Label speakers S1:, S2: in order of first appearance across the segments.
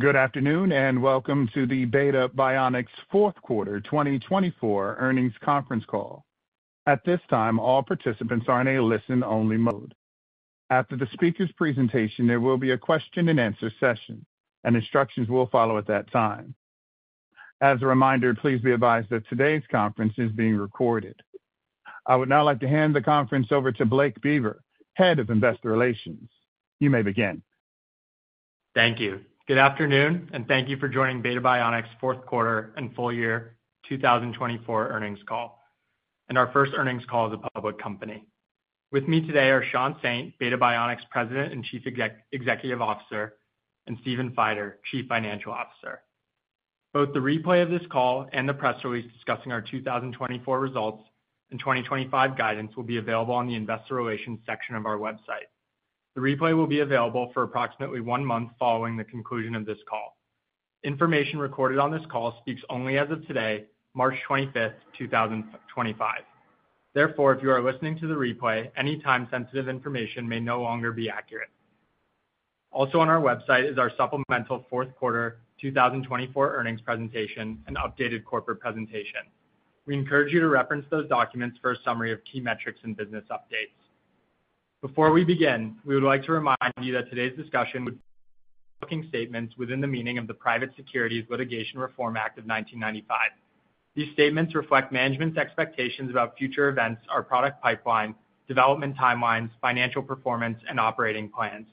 S1: Good afternoon and welcome to the Beta Bionics fourth quarter 2024 earnings conference call. At this time, all participants are in a listen-only mode. After the speaker's presentation, there will be a question-and-answer session, and instructions will follow at that time. As a reminder, please be advised that today's conference is being recorded. I would now like to hand the conference over to Blake Beber, Head of Investor Relations. You may begin.
S2: Thank you. Good afternoon, and thank you for joining Beta Bionics fourth quarter and full year 2024 earnings call. This is our first earnings call as a public company. With me today are Sean Saint, Beta Bionics President and Chief Executive Officer, and Stephen Feider, Chief Financial Officer. Both the replay of this call and the press release discussing our 2024 results and 2025 guidance will be available on the Investor Relations section of our website. The replay will be available for approximately one month following the conclusion of this call. Information recorded on this call speaks only as of today, March 25th, 2025. Therefore, if you are listening to the replay, any time-sensitive information may no longer be accurate. Also, on our website is our supplemental fourth quarter 2024 earnings presentation and updated corporate presentation. We encourage you to reference those documents for a summary of key metrics and business updates. Before we begin, we would like to remind you that today's discussion would be looking at statements within the meaning of the Private Securities Litigation Reform Act of 1995. These statements reflect management's expectations about future events, our product pipeline, development timelines, financial performance, and operating plans.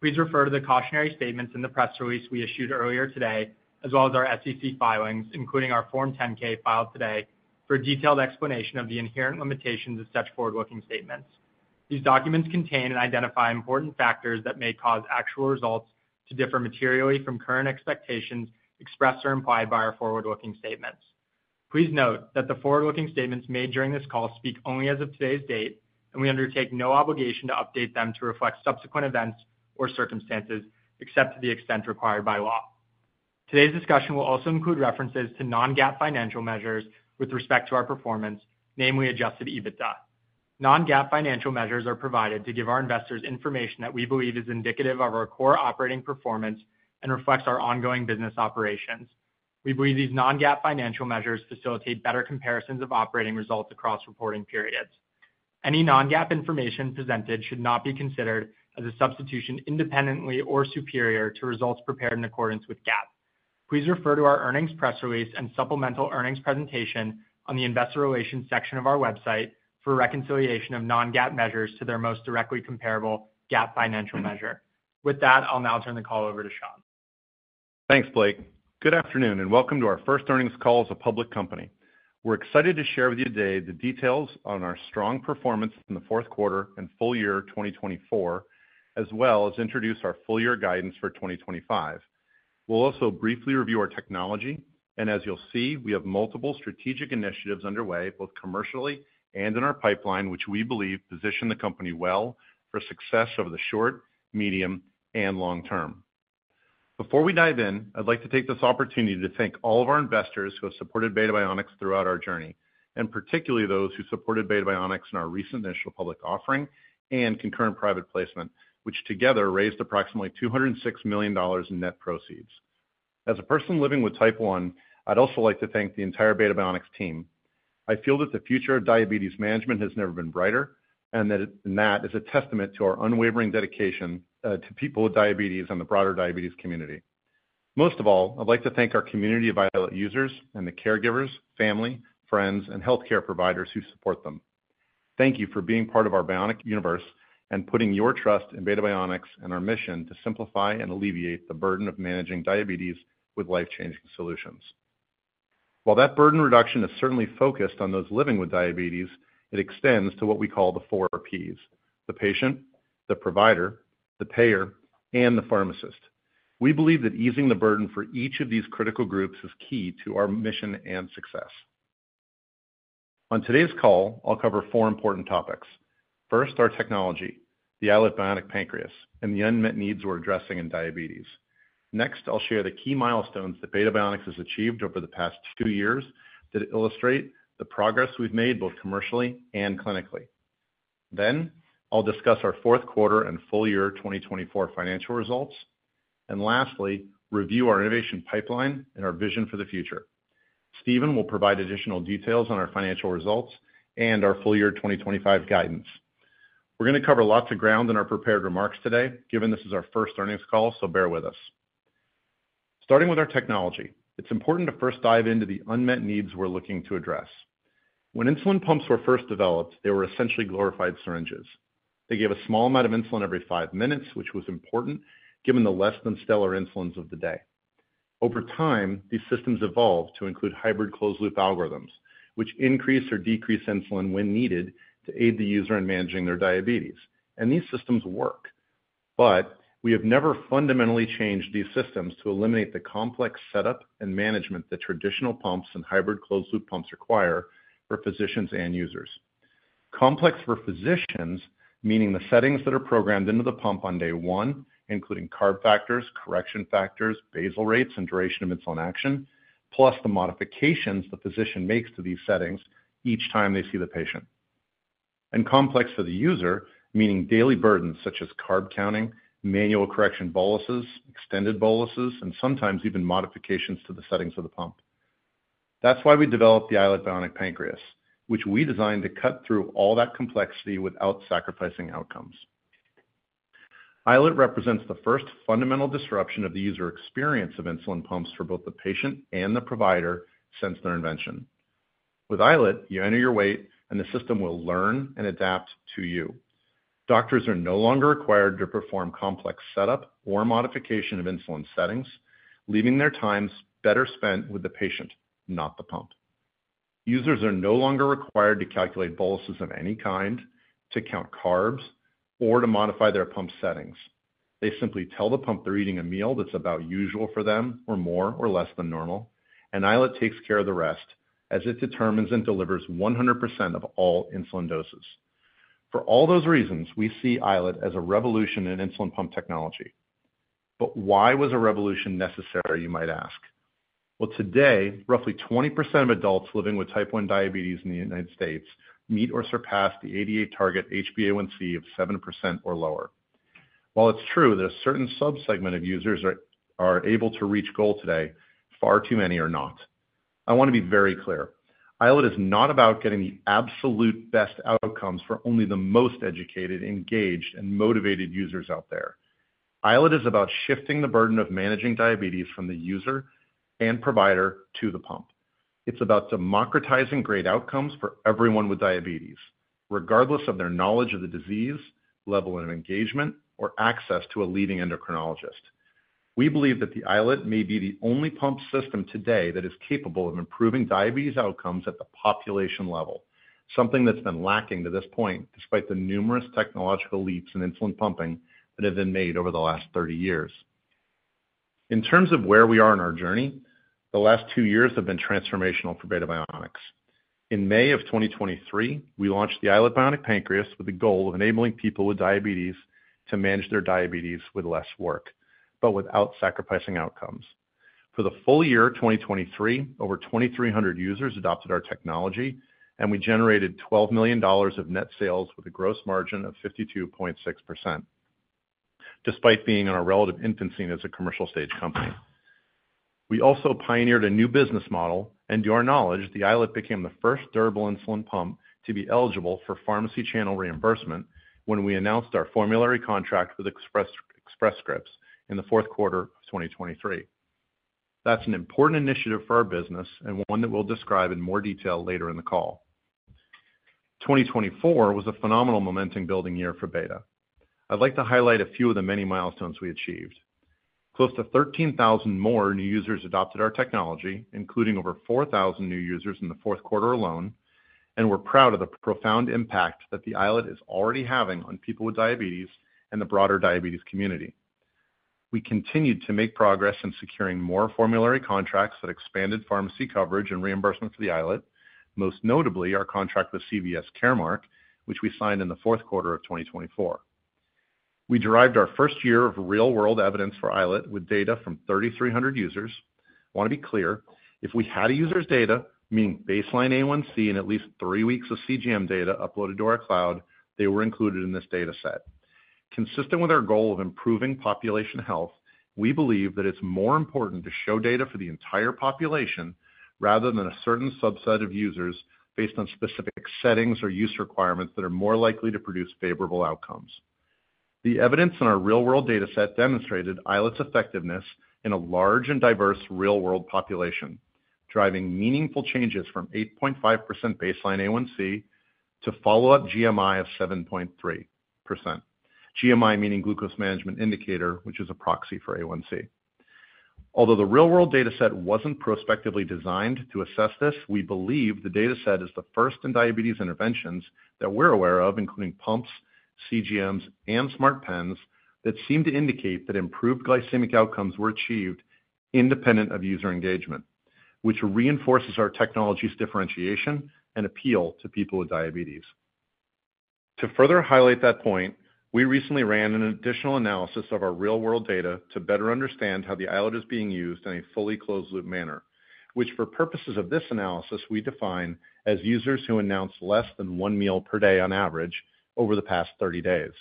S2: Please refer to the cautionary statements in the press release we issued earlier today, as well as our SEC filings, including our Form 10-K filed today, for a detailed explanation of the inherent limitations of such forward-looking statements. These documents contain and identify important factors that may cause actual results to differ materially from current expectations expressed or implied by our forward-looking statements. Please note that the forward-looking statements made during this call speak only as of today's date, and we undertake no obligation to update them to reflect subsequent events or circumstances, except to the extent required by law. Today's discussion will also include references to non-GAAP financial measures with respect to our performance, namely adjusted EBITDA. Non-GAAP financial measures are provided to give our investors information that we believe is indicative of our core operating performance and reflects our ongoing business operations. We believe these non-GAAP financial measures facilitate better comparisons of operating results across reporting periods. Any non-GAAP information presented should not be considered as a substitution independently or superior to results prepared in accordance with GAAP. Please refer to our earnings press release and supplemental earnings presentation on the Investor Relations section of our website for reconciliation of non-GAAP measures to their most directly comparable GAAP financial measure. With that, I'll now turn the call over to Sean.
S3: Thanks, Blake. Good afternoon and welcome to our first earnings call as a public company. We're excited to share with you today the details on our strong performance in the fourth quarter and full year 2024, as well as introduce our full year guidance for 2025. We'll also briefly review our technology, and as you'll see, we have multiple strategic initiatives underway both commercially and in our pipeline, which we believe position the company well for success over the short, medium, and long term. Before we dive in, I'd like to take this opportunity to thank all of our investors who have supported Beta Bionics throughout our journey, and particularly those who supported Beta Bionics in our recent initial public offering and concurrent private placement, which together raised approximately $206 million in net proceeds. As a person living with type 1, I'd also like to thank the entire Beta Bionics team. I feel that the future of diabetes management has never been brighter, and that is a testament to our unwavering dedication to people with diabetes and the broader diabetes community. Most of all, I'd like to thank our community of users and the caregivers, family, friends, and healthcare providers who support them. Thank you for being part of our Bionics universe and putting your trust in Beta Bionics and our mission to simplify and alleviate the burden of managing diabetes with life-changing solutions. While that burden reduction is certainly focused on those living with diabetes, it extends to what we call the four Ps: the patient, the provider, the payer, and the pharmacist. We believe that easing the burden for each of these critical groups is key to our mission and success. On today's call, I'll cover four important topics. First, our technology, the iLet Bionic Pancreas, and the unmet needs we're addressing in diabetes. Next, I'll share the key milestones that Beta Bionics has achieved over the past two years that illustrate the progress we've made both commercially and clinically. Then, I'll discuss our fourth quarter and full year 2024 financial results. Lastly, review our innovation pipeline and our vision for the future. Stephen will provide additional details on our financial results and our full year 2025 guidance. We're going to cover lots of ground in our prepared remarks today, given this is our first earnings call, so bear with us. Starting with our technology, it's important to first dive into the unmet needs we're looking to address. When insulin pumps were first developed, they were essentially glorified syringes. They gave a small amount of insulin every five minutes, which was important given the less-than-stellar insulins of the day. Over time, these systems evolved to include hybrid closed-loop algorithms, which increase or decrease insulin when needed to aid the user in managing their diabetes. These systems work. We have never fundamentally changed these systems to eliminate the complex setup and management that traditional pumps and hybrid closed-loop pumps require for physicians and users. Complex for physicians, meaning the settings that are programmed into the pump on day one, including carb factors, correction factors, basal rates, and duration of insulin action, plus the modifications the physician makes to these settings each time they see the patient. Complex for the user, meaning daily burdens such as carb counting, manual correction boluses, extended boluses, and sometimes even modifications to the settings of the pump. That's why we developed the iLet Bionic Pancreas, which we designed to cut through all that complexity without sacrificing outcomes. iLet represents the first fundamental disruption of the user experience of insulin pumps for both the patient and the provider since their invention. With iLet, you enter your weight, and the system will learn and adapt to you. Doctors are no longer required to perform complex setup or modification of insulin settings, leaving their time better spent with the patient, not the pump. Users are no longer required to calculate boluses of any kind, to count carbs, or to modify their pump settings. They simply tell the pump they're eating a meal that's about usual for them or more or less than normal, and iLet takes care of the rest as it determines and delivers 100% of all insulin doses. For all those reasons, we see iLet as a revolution in insulin pump technology. Why was a revolution necessary, you might ask? Today, roughly 20% of adults living with type 1 diabetes in the United States meet or surpass the HbA1c target of 7% or lower. While it's true that a certain subsegment of users are able to reach goal today, far too many are not. I want to be very clear. iLet is not about getting the absolute best outcomes for only the most educated, engaged, and motivated users out there. iLet is about shifting the burden of managing diabetes from the user and provider to the pump. It's about democratizing great outcomes for everyone with diabetes, regardless of their knowledge of the disease, level of engagement, or access to a leading endocrinologist. We believe that the iLet may be the only pump system today that is capable of improving diabetes outcomes at the population level, something that's been lacking to this point, despite the numerous technological leaps in insulin pumping that have been made over the last 30 years. In terms of where we are in our journey, the last two years have been transformational for Beta Bionics. In May of 2023, we launched the iLet Bionic Pancreas with the goal of enabling people with diabetes to manage their diabetes with less work, but without sacrificing outcomes. For the full year 2023, over 2,300 users adopted our technology, and we generated $12 million of net sales with a gross margin of 52.6%, despite being in our relative infancy as a commercial-stage company. We also pioneered a new business model, and to our knowledge, the iLet became the first durable insulin pump to be eligible for pharmacy channel reimbursement when we announced our formulary contract with Express Scripts in the fourth quarter of 2023. That's an important initiative for our business and one that we'll describe in more detail later in the call. 2024 was a phenomenal momentum-building year for Beta. I'd like to highlight a few of the many milestones we achieved. Close to 13,000 more new users adopted our technology, including over 4,000 new users in the fourth quarter alone, and we're proud of the profound impact that the iLet is already having on people with diabetes and the broader diabetes community. We continued to make progress in securing more formulary contracts that expanded pharmacy coverage and reimbursement for the iLet, most notably our contract with CVS Caremark, which we signed in the fourth quarter of 2024. We derived our first year of real-world evidence for iLet with data from 3,300 users. I want to be clear, if we had a user's data, meaning baseline A1C and at least three weeks of CGM data uploaded to our cloud, they were included in this data set. Consistent with our goal of improving population health, we believe that it's more important to show data for the entire population rather than a certain subset of users based on specific settings or use requirements that are more likely to produce favorable outcomes. The evidence in our real-world data set demonstrated iLet’s effectiveness in a large and diverse real-world population, driving meaningful changes from 8.5% baseline A1C to follow-up GMI of 7.3%, GMI meaning glucose management indicator, which is a proxy for A1C. Although the real-world data set was not prospectively designed to assess this, we believe the data set is the first in diabetes interventions that we are aware of, including pumps, CGMs, and smart pens that seem to indicate that improved glycemic outcomes were achieved independent of user engagement, which reinforces our technology’s differentiation and appeal to people with diabetes. To further highlight that point, we recently ran an additional analysis of our real-world data to better understand how the iLet is being used in a fully closed-loop manner, which for purposes of this analysis, we define as users who announce less than one meal per day on average over the past 30 days.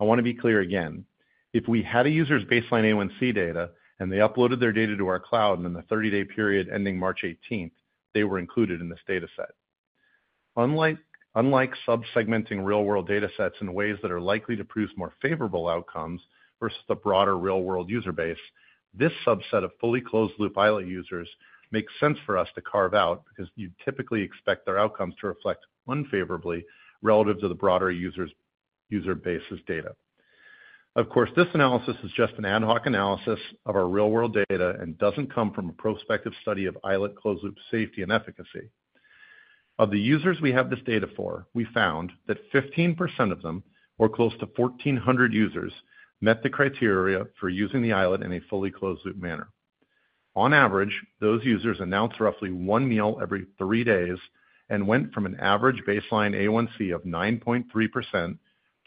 S3: I want to be clear again, if we had a user's baseline A1C data and they uploaded their data to our cloud and in the 30-day period ending March 18th, they were included in this data set. Unlike subsegmenting real-world data sets in ways that are likely to produce more favorable outcomes versus the broader real-world user base, this subset of fully closed-loop iLet users makes sense for us to carve out because you typically expect their outcomes to reflect unfavorably relative to the broader user base's data. Of course, this analysis is just an ad hoc analysis of our real-world data and doesn't come from a prospective study of iLet closed-loop safety and efficacy. Of the users we have this data for, we found that 15% of them, or close to 1,400 users, met the criteria for using the iLet in a fully closed-loop manner. On average, those users announced roughly one meal every three days and went from an average baseline A1C of 9.3%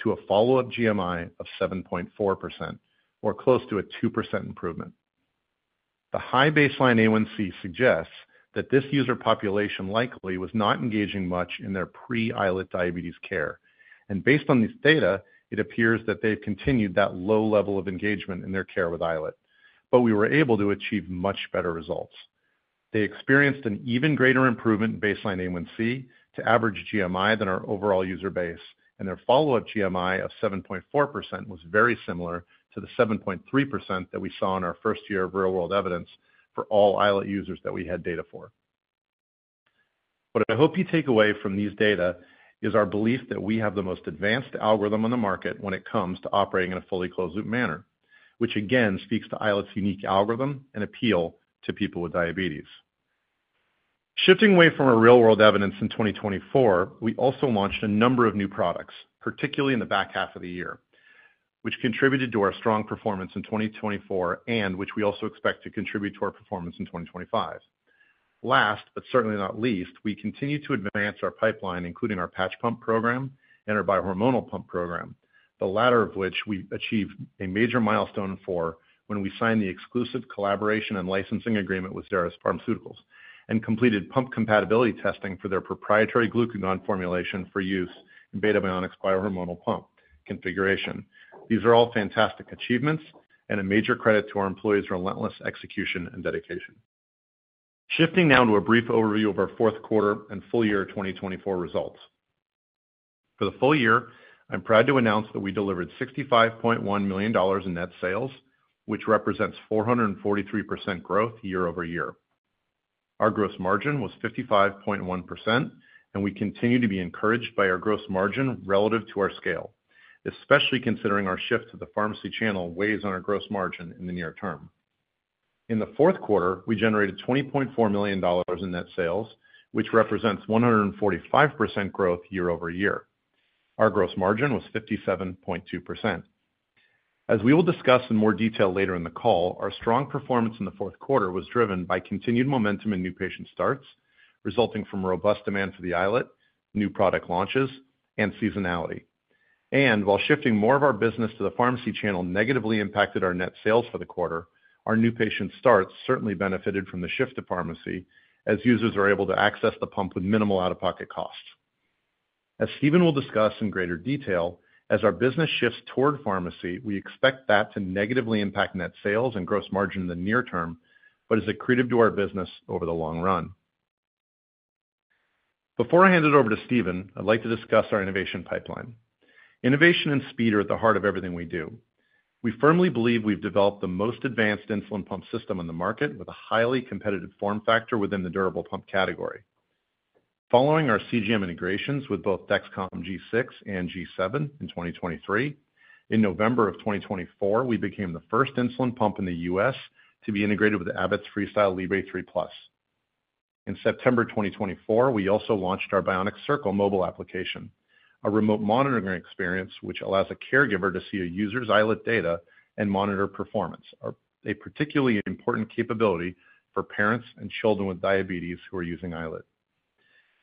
S3: to a follow-up GMI of 7.4%, or close to a 2% improvement. The high baseline A1C suggests that this user population likely was not engaging much in their pre-iLet diabetes care. Based on these data, it appears that they've continued that low level of engagement in their care with iLet, but we were able to achieve much better results. They experienced an even greater improvement in baseline A1C to average GMI than our overall user base, and their follow-up GMI of 7.4% was very similar to the 7.3% that we saw in our first year of real-world evidence for all iLet users that we had data for. What I hope you take away from these data is our belief that we have the most advanced algorithm on the market when it comes to operating in a fully closed-loop manner, which again speaks to iLet’s unique algorithm and appeal to people with diabetes. Shifting away from our real-world evidence in 2024, we also launched a number of new products, particularly in the back half of the year, which contributed to our strong performance in 2024 and which we also expect to contribute to our performance in 2025. Last, but certainly not least, we continue to advance our pipeline, including our patch pump program and our bi-hormonal pump program, the latter of which we achieved a major milestone for when we signed the exclusive collaboration and licensing agreement with Xeris Pharmaceuticals and completed pump compatibility testing for their proprietary glucagon formulation for use in Beta Bionics bi-hormonal pump configuration. These are all fantastic achievements and a major credit to our employees' relentless execution and dedication. Shifting now to a brief overview of our fourth quarter and full year 2024 results. For the full year, I'm proud to announce that we delivered $65.1 million in net sales, which represents 443% growth year over year. Our gross margin was 55.1%, and we continue to be encouraged by our gross margin relative to our scale, especially considering our shift to the pharmacy channel weighs on our gross margin in the near term. In the fourth quarter, we generated $20.4 million in net sales, which represents 145% growth year over year. Our gross margin was 57.2%. As we will discuss in more detail later in the call, our strong performance in the fourth quarter was driven by continued momentum in new patient starts resulting from robust demand for the iLet, new product launches, and seasonality. While shifting more of our business to the pharmacy channel negatively impacted our net sales for the quarter, our new patient starts certainly benefited from the shift to pharmacy as users are able to access the pump with minimal out-of-pocket costs. As Stephen will discuss in greater detail, as our business shifts toward pharmacy, we expect that to negatively impact net sales and gross margin in the near term, but is accretive to our business over the long run. Before I hand it over to Stephen, I'd like to discuss our innovation pipeline. Innovation and speed are at the heart of everything we do. We firmly believe we've developed the most advanced insulin pump system on the market with a highly competitive form factor within the durable pump category. Following our CGM integrations with both Dexcom G6 and G7 in 2023, in November of 2024, we became the first insulin pump in the U.S. to be integrated with Abbott's Freestyle Libre 3 Plus. In September 2024, we also launched our Bionic Circle mobile application, a remote monitoring experience which allows a caregiver to see a user's iLet data and monitor performance, a particularly important capability for parents and children with diabetes who are using iLet.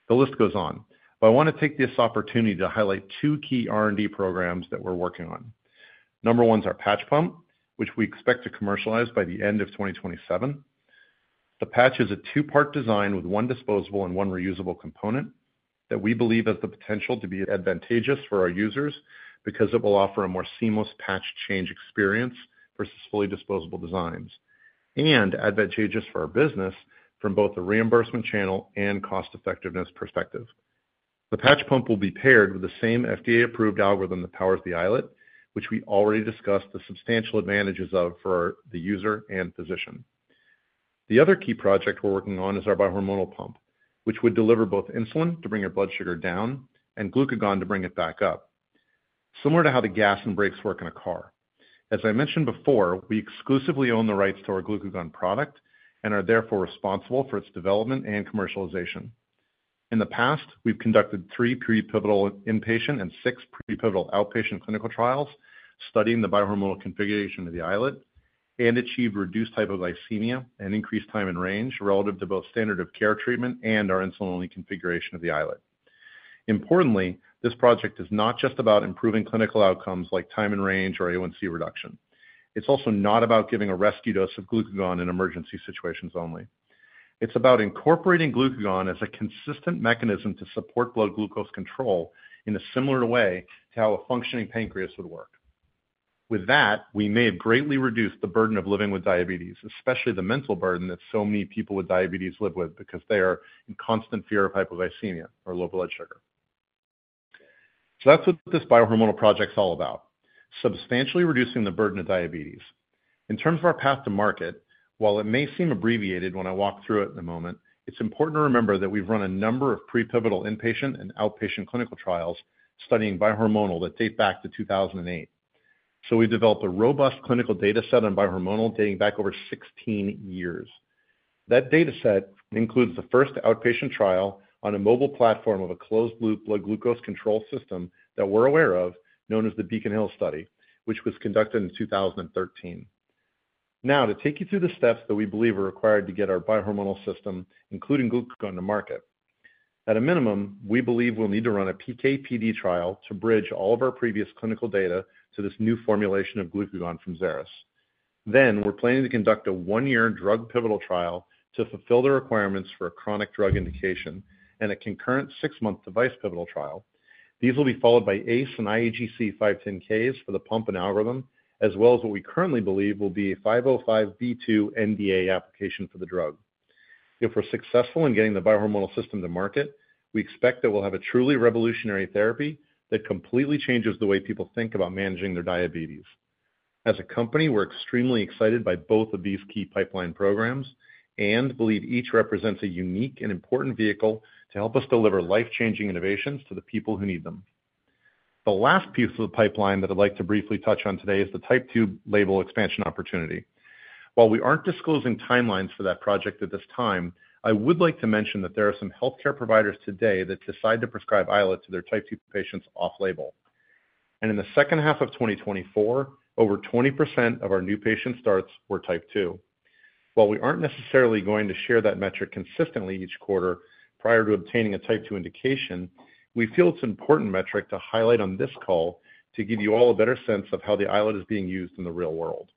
S3: The list goes on, but I want to take this opportunity to highlight two key R&D programs that we're working on. Number one is our patch pump, which we expect to commercialize by the end of 2027. The patch is a two-part design with one disposable and one reusable component that we believe has the potential to be advantageous for our users because it will offer a more seamless patch change experience versus fully disposable designs and advantageous for our business from both the reimbursement channel and cost-effectiveness perspective. The patch pump will be paired with the same FDA-approved algorithm that powers the iLet, which we already discussed the substantial advantages of for the user and physician. The other key project we're working on is our bi-hormonal pump, which would deliver both insulin to bring your blood sugar down and glucagon to bring it back up, similar to how the gas and brakes work in a car. As I mentioned before, we exclusively own the rights to our glucagon product and are therefore responsible for its development and commercialization. In the past, we've conducted three pre-pivotal inpatient and six pre-pivotal outpatient clinical trials studying the bi-hormonal configuration of the iLet and achieved reduced hypoglycemia and increased time in range relative to both standard of care treatment and our insulin-only configuration of the iLet. Importantly, this project is not just about improving clinical outcomes like time in range or A1C reduction. It's also not about giving a rescue dose of glucagon in emergency situations only. It's about incorporating glucagon as a consistent mechanism to support blood glucose control in a similar way to how a functioning pancreas would work. With that, we may have greatly reduced the burden of living with diabetes, especially the mental burden that so many people with diabetes live with because they are in constant fear of hypoglycemia or low blood sugar. That's what this bi-hormonal project's all about, substantially reducing the burden of diabetes. In terms of our path to market, while it may seem abbreviated when I walk through it in a moment, it's important to remember that we've run a number of pre-pivotal inpatient and outpatient clinical trials studying bi-hormonal that date back to 2008. We have developed a robust clinical data set on bi-hormonal dating back over 16 years. That data set includes the first outpatient trial on a mobile platform of a closed-loop blood glucose control system that we are aware of, known as the Beacon Hill study, which was conducted in 2013. To take you through the steps that we believe are required to get our bi-hormonal system, including glucagon, to market, at a minimum, we believe we will need to run a PK/PD trial to bridge all of our previous clinical data to this new formulation of glucagon from Xeris. We are planning to conduct a one-year drug pivotal trial to fulfill the requirements for a chronic drug indication and a concurrent six-month device pivotal trial. These will be followed by ACE and iAGC 510(k)s for the pump and algorithm, as well as what we currently believe will be a 505(b)(2) NDA application for the drug. If we're successful in getting the bi-hormonal system to market, we expect that we'll have a truly revolutionary therapy that completely changes the way people think about managing their diabetes. As a company, we're extremely excited by both of these key pipeline programs and believe each represents a unique and important vehicle to help us deliver life-changing innovations to the people who need them. The last piece of the pipeline that I'd like to briefly touch on today is the type 2 label expansion opportunity. While we aren't disclosing timelines for that project at this time, I would like to mention that there are some healthcare providers today that decide to prescribe iLet to their type 2 patients off-label. In the second half of 2024, over 20% of our new patient starts were type 2. While we aren't necessarily going to share that metric consistently each quarter prior to obtaining a type 2 indication, we feel it's an important metric to highlight on this call to give you all a better sense of how the iLet is being used in the real world.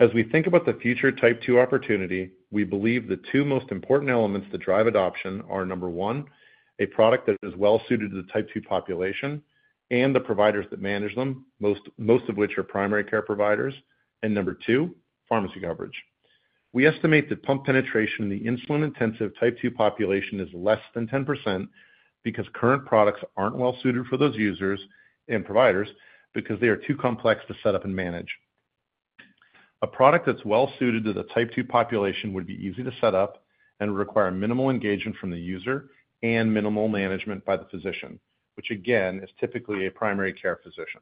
S3: As we think about the future type 2 opportunity, we believe the two most important elements that drive adoption are, number one, a product that is well-suited to the type 2 population and the providers that manage them, most of which are primary care providers, and number two, pharmacy coverage. We estimate that pump penetration in the insulin-intensive type 2 population is less than 10% because current products aren't well-suited for those users and providers because they are too complex to set up and manage. A product that's well-suited to the type 2 population would be easy to set up and would require minimal engagement from the user and minimal management by the physician, which again is typically a primary care physician.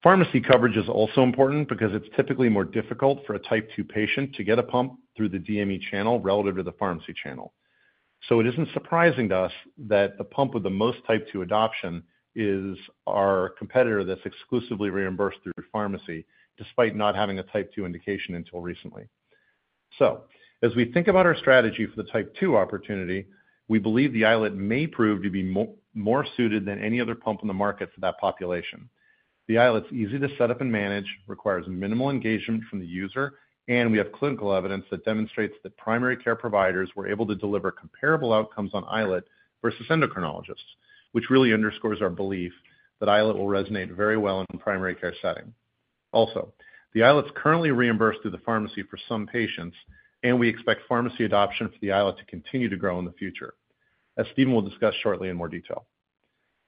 S3: Pharmacy coverage is also important because it's typically more difficult for a type 2 patient to get a pump through the DME channel relative to the pharmacy channel. It isn't surprising to us that the pump with the most type 2 adoption is our competitor that's exclusively reimbursed through pharmacy despite not having a type 2 indication until recently. As we think about our strategy for the type 2 opportunity, we believe the iLet may prove to be more suited than any other pump in the market for that population. The iLet's easy to set up and manage, requires minimal engagement from the user, and we have clinical evidence that demonstrates that primary care providers were able to deliver comparable outcomes on iLet versus endocrinologists, which really underscores our belief that iLet will resonate very well in a primary care setting. Also, the iLet's currently reimbursed through the pharmacy for some patients, and we expect pharmacy adoption for the iLet to continue to grow in the future, as Stephen will discuss shortly in more detail.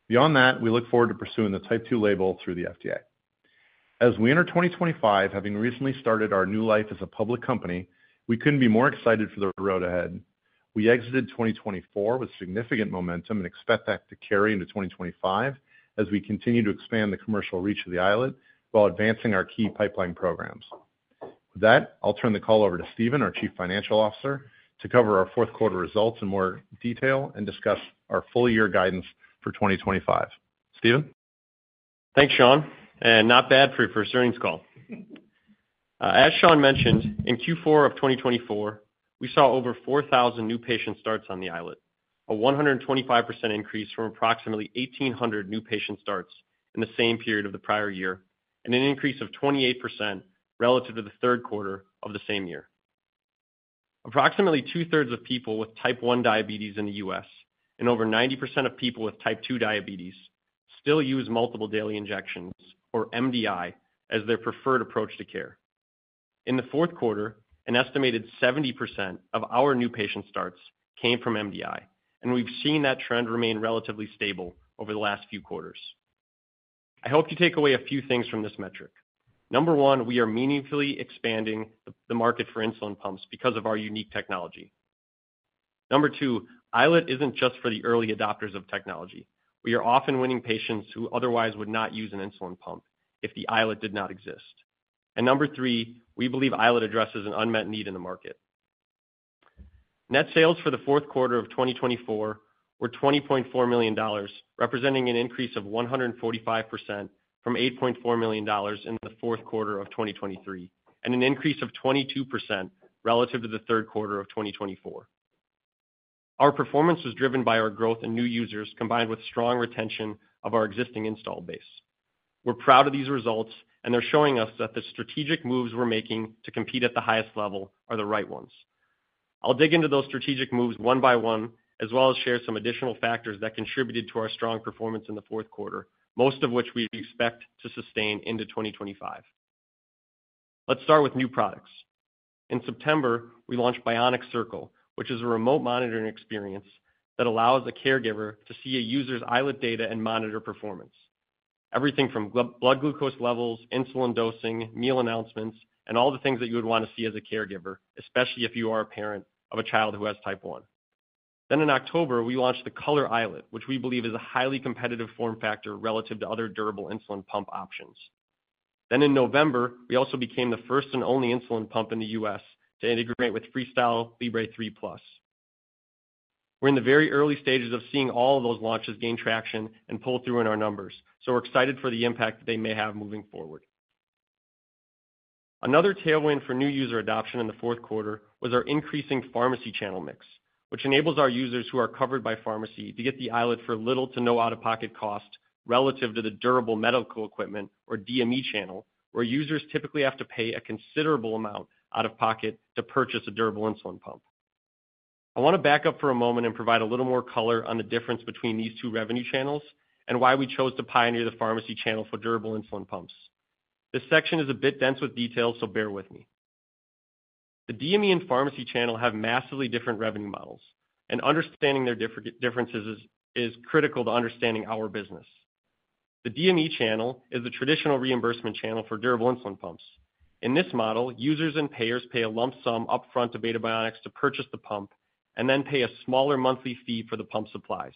S3: Beyond that, we look forward to pursuing the type 2 label through the FDA. As we enter 2025, having recently started our new life as a public company, we couldn't be more excited for the road ahead. We exited 2024 with significant momentum and expect that to carry into 2025 as we continue to expand the commercial reach of the iLet while advancing our key pipeline programs. With that, I'll turn the call over to Stephen, our Chief Financial Officer, to cover our fourth quarter results in more detail and discuss our full year guidance for 2025. Stephen?
S4: Thanks, Sean. Not bad for a first earnings call. As Sean mentioned, in Q4 of 2024, we saw over 4,000 new patient starts on the iLet, a 125% increase from approximately 1,800 new patient starts in the same period of the prior year, and an increase of 28% relative to the third quarter of the same year. Approximately two-thirds of people with type 1 diabetes in the U.S. and over 90% of people with type 2 diabetes still use multiple daily injections or MDI as their preferred approach to care. In the fourth quarter, an estimated 70% of our new patient starts came from MDI, and we've seen that trend remain relatively stable over the last few quarters. I hope you take away a few things from this metric. Number one, we are meaningfully expanding the market for insulin pumps because of our unique technology. Number two, iLet isn't just for the early adopters of technology. We are often winning patients who otherwise would not use an insulin pump if the iLet did not exist. Number three, we believe iLet addresses an unmet need in the market. Net sales for the fourth quarter of 2024 were $20.4 million, representing an increase of 145% from $8.4 million in the fourth quarter of 2023 and an increase of 22% relative to the third quarter of 2024. Our performance was driven by our growth in new users combined with strong retention of our existing install base. We're proud of these results, and they're showing us that the strategic moves we're making to compete at the highest level are the right ones. I'll dig into those strategic moves one by one, as well as share some additional factors that contributed to our strong performance in the fourth quarter, most of which we expect to sustain into 2025. Let's start with new products. In September, we launched Bionic Circle, which is a remote monitoring experience that allows a caregiver to see a user's iLet data and monitor performance. Everything from blood glucose levels, insulin dosing, meal announcements, and all the things that you would want to see as a caregiver, especially if you are a parent of a child who has type 1. In October, we launched the Color iLet, which we believe is a highly competitive form factor relative to other durable insulin pump options. In November, we also became the first and only insulin pump in the U.S. to integrate with Freestyle Libre 3 Plus. We are in the very early stages of seeing all of those launches gain traction and pull through in our numbers, so we are excited for the impact that they may have moving forward. Another tailwind for new user adoption in the fourth quarter was our increasing pharmacy channel mix, which enables our users who are covered by pharmacy to get the iLet for little to no out-of-pocket cost relative to the durable medical equipment or DME channel, where users typically have to pay a considerable amount out of pocket to purchase a durable insulin pump. I want to back up for a moment and provide a little more color on the difference between these two revenue channels and why we chose to pioneer the pharmacy channel for durable insulin pumps. This section is a bit dense with details, so bear with me. The DME and pharmacy channel have massively different revenue models, and understanding their differences is critical to understanding our business. The DME channel is the traditional reimbursement channel for durable insulin pumps. In this model, users and payers pay a lump sum upfront to Beta Bionics to purchase the pump and then pay a smaller monthly fee for the pump supplies.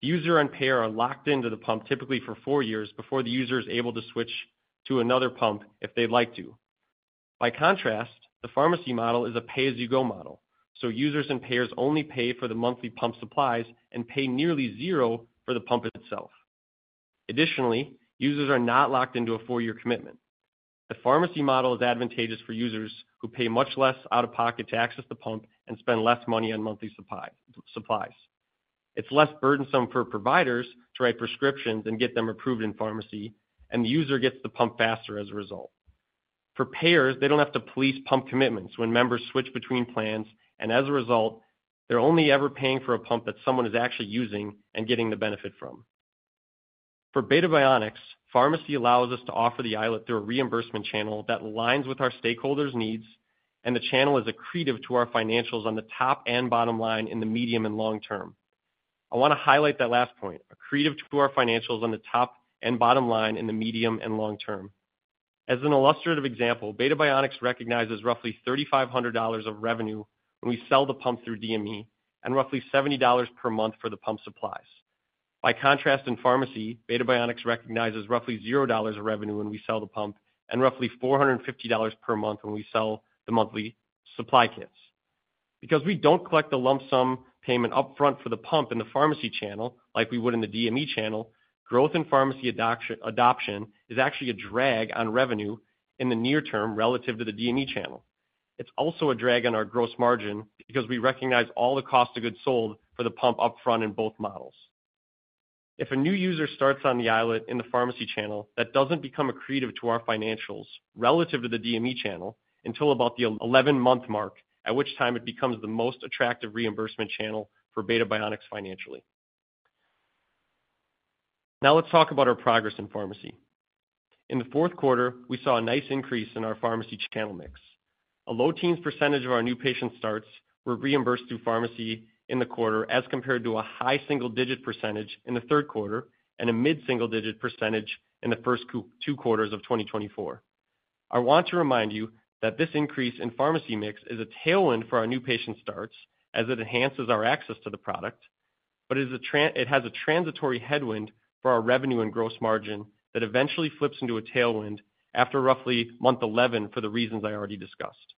S4: User and payer are locked into the pump typically for four years before the user is able to switch to another pump if they'd like to. By contrast, the pharmacy model is a pay-as-you-go model, so users and payers only pay for the monthly pump supplies and pay nearly zero for the pump itself. Additionally, users are not locked into a four-year commitment. The pharmacy model is advantageous for users who pay much less out of pocket to access the pump and spend less money on monthly supplies. It's less burdensome for providers to write prescriptions and get them approved in pharmacy, and the user gets the pump faster as a result. For payers, they don't have to police pump commitments when members switch between plans, and as a result, they're only ever paying for a pump that someone is actually using and getting the benefit from. For Beta Bionics, pharmacy allows us to offer the iLet through a reimbursement channel that aligns with our stakeholders' needs, and the channel is accretive to our financials on the top and bottom line in the medium and long term. I want to highlight that last point, accretive to our financials on the top and bottom line in the medium and long term. As an illustrative example, Beta Bionics recognizes roughly $3,500 of revenue when we sell the pump through DME and roughly $70 per month for the pump supplies. By contrast, in pharmacy, Beta Bionics recognizes roughly $0 of revenue when we sell the pump and roughly $450 per month when we sell the monthly supply kits. Because we don't collect the lump sum payment upfront for the pump in the pharmacy channel like we would in the DME channel, growth in pharmacy adoption is actually a drag on revenue in the near term relative to the DME channel. It's also a drag on our gross margin because we recognize all the cost of goods sold for the pump upfront in both models. If a new user starts on the iLet in the pharmacy channel, that doesn't become accretive to our financials relative to the DME channel until about the 11-month mark, at which time it becomes the most attractive reimbursement channel for Beta Bionics financially. Now let's talk about our progress in pharmacy. In the fourth quarter, we saw a nice increase in our pharmacy channel mix. A low teens percentage of our new patient starts were reimbursed through pharmacy in the quarter as compared to a high single-digit percentage in the third quarter and a mid-single-digit percentage in the first two quarters of 2024. I want to remind you that this increase in pharmacy mix is a tailwind for our new patient starts as it enhances our access to the product, but it has a transitory headwind for our revenue and gross margin that eventually flips into a tailwind after roughly month 11 for the reasons I already discussed.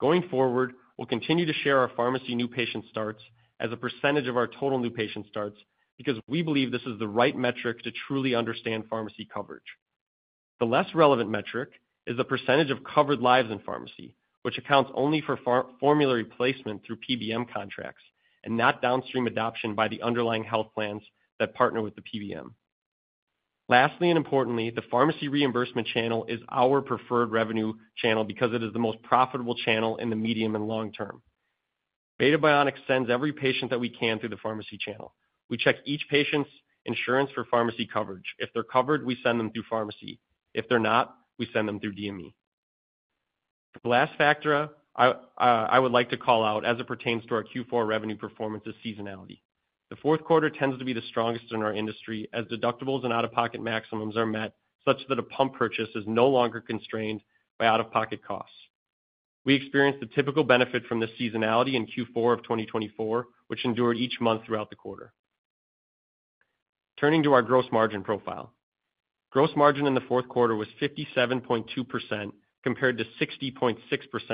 S4: Going forward, we'll continue to share our pharmacy new patient starts as a percentage of our total new patient starts because we believe this is the right metric to truly understand pharmacy coverage. The less relevant metric is the percentage of covered lives in pharmacy, which accounts only for formulary placement through PBM contracts and not downstream adoption by the underlying health plans that partner with the PBM. Lastly, and importantly, the pharmacy reimbursement channel is our preferred revenue channel because it is the most profitable channel in the medium and long term. Beta Bionics sends every patient that we can through the pharmacy channel. We check each patient's insurance for pharmacy coverage. If they're covered, we send them through pharmacy. If they're not, we send them through DME. The last factor I would like to call out as it pertains to our Q4 revenue performance is seasonality. The fourth quarter tends to be the strongest in our industry as deductibles and out-of-pocket maximums are met such that a pump purchase is no longer constrained by out-of-pocket costs. We experienced the typical benefit from the seasonality in Q4 of 2024, which endured each month throughout the quarter. Turning to our gross margin profile, gross margin in the fourth quarter was 57.2% compared to 60.6%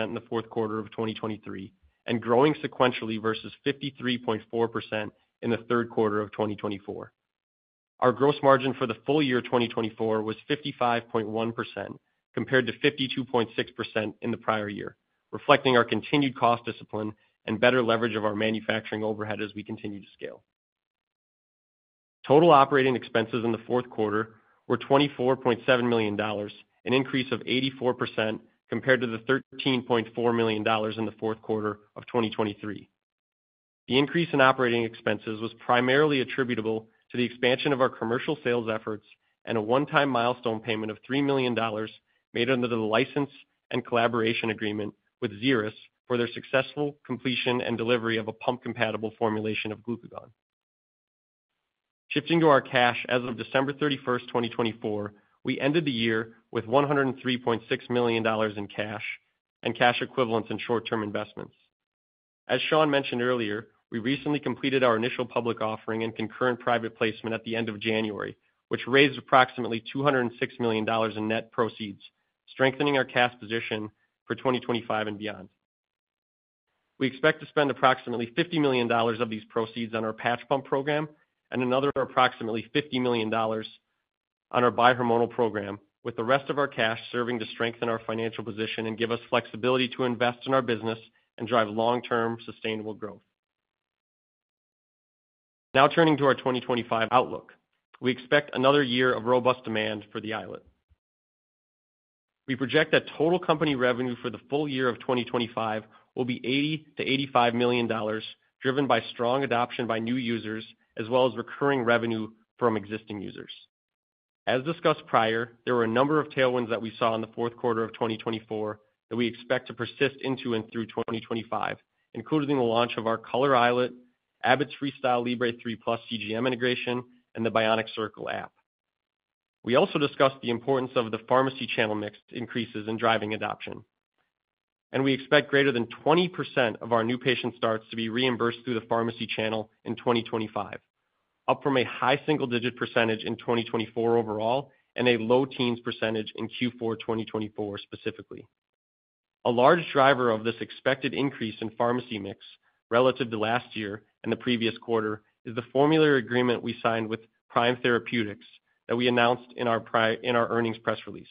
S4: in the fourth quarter of 2023 and growing sequentially versus 53.4% in the third quarter of 2024. Our gross margin for the full year 2024 was 55.1% compared to 52.6% in the prior year, reflecting our continued cost discipline and better leverage of our manufacturing overhead as we continue to scale. Total operating expenses in the fourth quarter were $24.7 million, an increase of 84% compared to the $13.4 million in the fourth quarter of 2023. The increase in operating expenses was primarily attributable to the expansion of our commercial sales efforts and a one-time milestone payment of $3 million made under the license and collaboration agreement with Xeris for their successful completion and delivery of a pump-compatible formulation of glucagon. Shifting to our cash, as of December 31, 2024, we ended the year with $103.6 million in cash and cash equivalents and short-term investments. As Sean mentioned earlier, we recently completed our initial public offering and concurrent private placement at the end of January, which raised approximately $206 million in net proceeds, strengthening our cash position for 2025 and beyond. We expect to spend approximately $50 million of these proceeds on our patch pump program and another approximately $50 million on our bi-hormonal program, with the rest of our cash serving to strengthen our financial position and give us flexibility to invest in our business and drive long-term sustainable growth. Now turning to our 2025 outlook, we expect another year of robust demand for the iLet. We project that total company revenue for the full year of 2025 will be $80-$85 million, driven by strong adoption by new users, as well as recurring revenue from existing users. As discussed prior, there were a number of tailwinds that we saw in the fourth quarter of 2024 that we expect to persist into and through 2025, including the launch of our Color iLet, Abbott's Freestyle Libre 3 Plus CGM integration, and the Bionic Circle app. We also discussed the importance of the pharmacy channel mix increases in driving adoption, and we expect greater than 20% of our new patient starts to be reimbursed through the pharmacy channel in 2025, up from a high single-digit percentage in 2024 overall and a low teens percentage in Q4 2024 specifically. A large driver of this expected increase in pharmacy mix relative to last year and the previous quarter is the formulary agreement we signed with Prime Therapeutics that we announced in our earnings press release.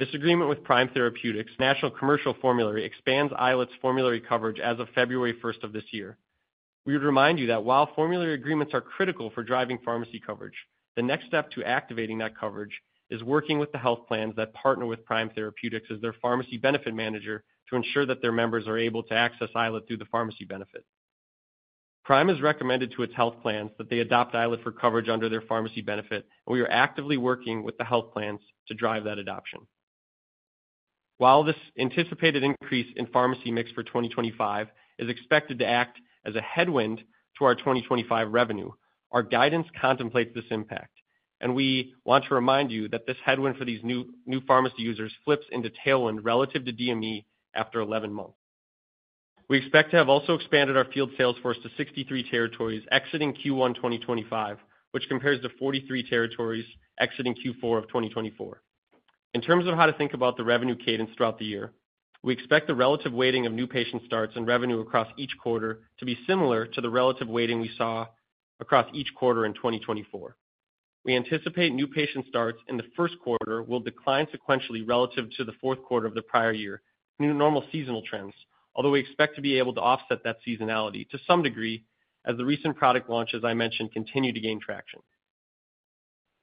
S4: This agreement with Prime Therapeutics, National Commercial Formulary, expands iLet’s formulary coverage as of February 1st of this year. We would remind you that while formulary agreements are critical for driving pharmacy coverage, the next step to activating that coverage is working with the health plans that partner with Prime Therapeutics as their pharmacy benefit manager to ensure that their members are able to access iLet through the pharmacy benefit. Prime has recommended to its health plans that they adopt iLet for coverage under their pharmacy benefit, and we are actively working with the health plans to drive that adoption. While this anticipated increase in pharmacy mix for 2025 is expected to act as a headwind to our 2025 revenue, our guidance contemplates this impact, and we want to remind you that this headwind for these new pharmacy users flips into tailwind relative to DME after 11 months. We expect to have also expanded our field sales force to 63 territories exiting Q1 2025, which compares to 43 territories exiting Q4 of 2024. In terms of how to think about the revenue cadence throughout the year, we expect the relative weighting of new patient starts and revenue across each quarter to be similar to the relative weighting we saw across each quarter in 2024. We anticipate new patient starts in the first quarter will decline sequentially relative to the fourth quarter of the prior year, new normal seasonal trends, although we expect to be able to offset that seasonality to some degree as the recent product launches I mentioned continue to gain traction.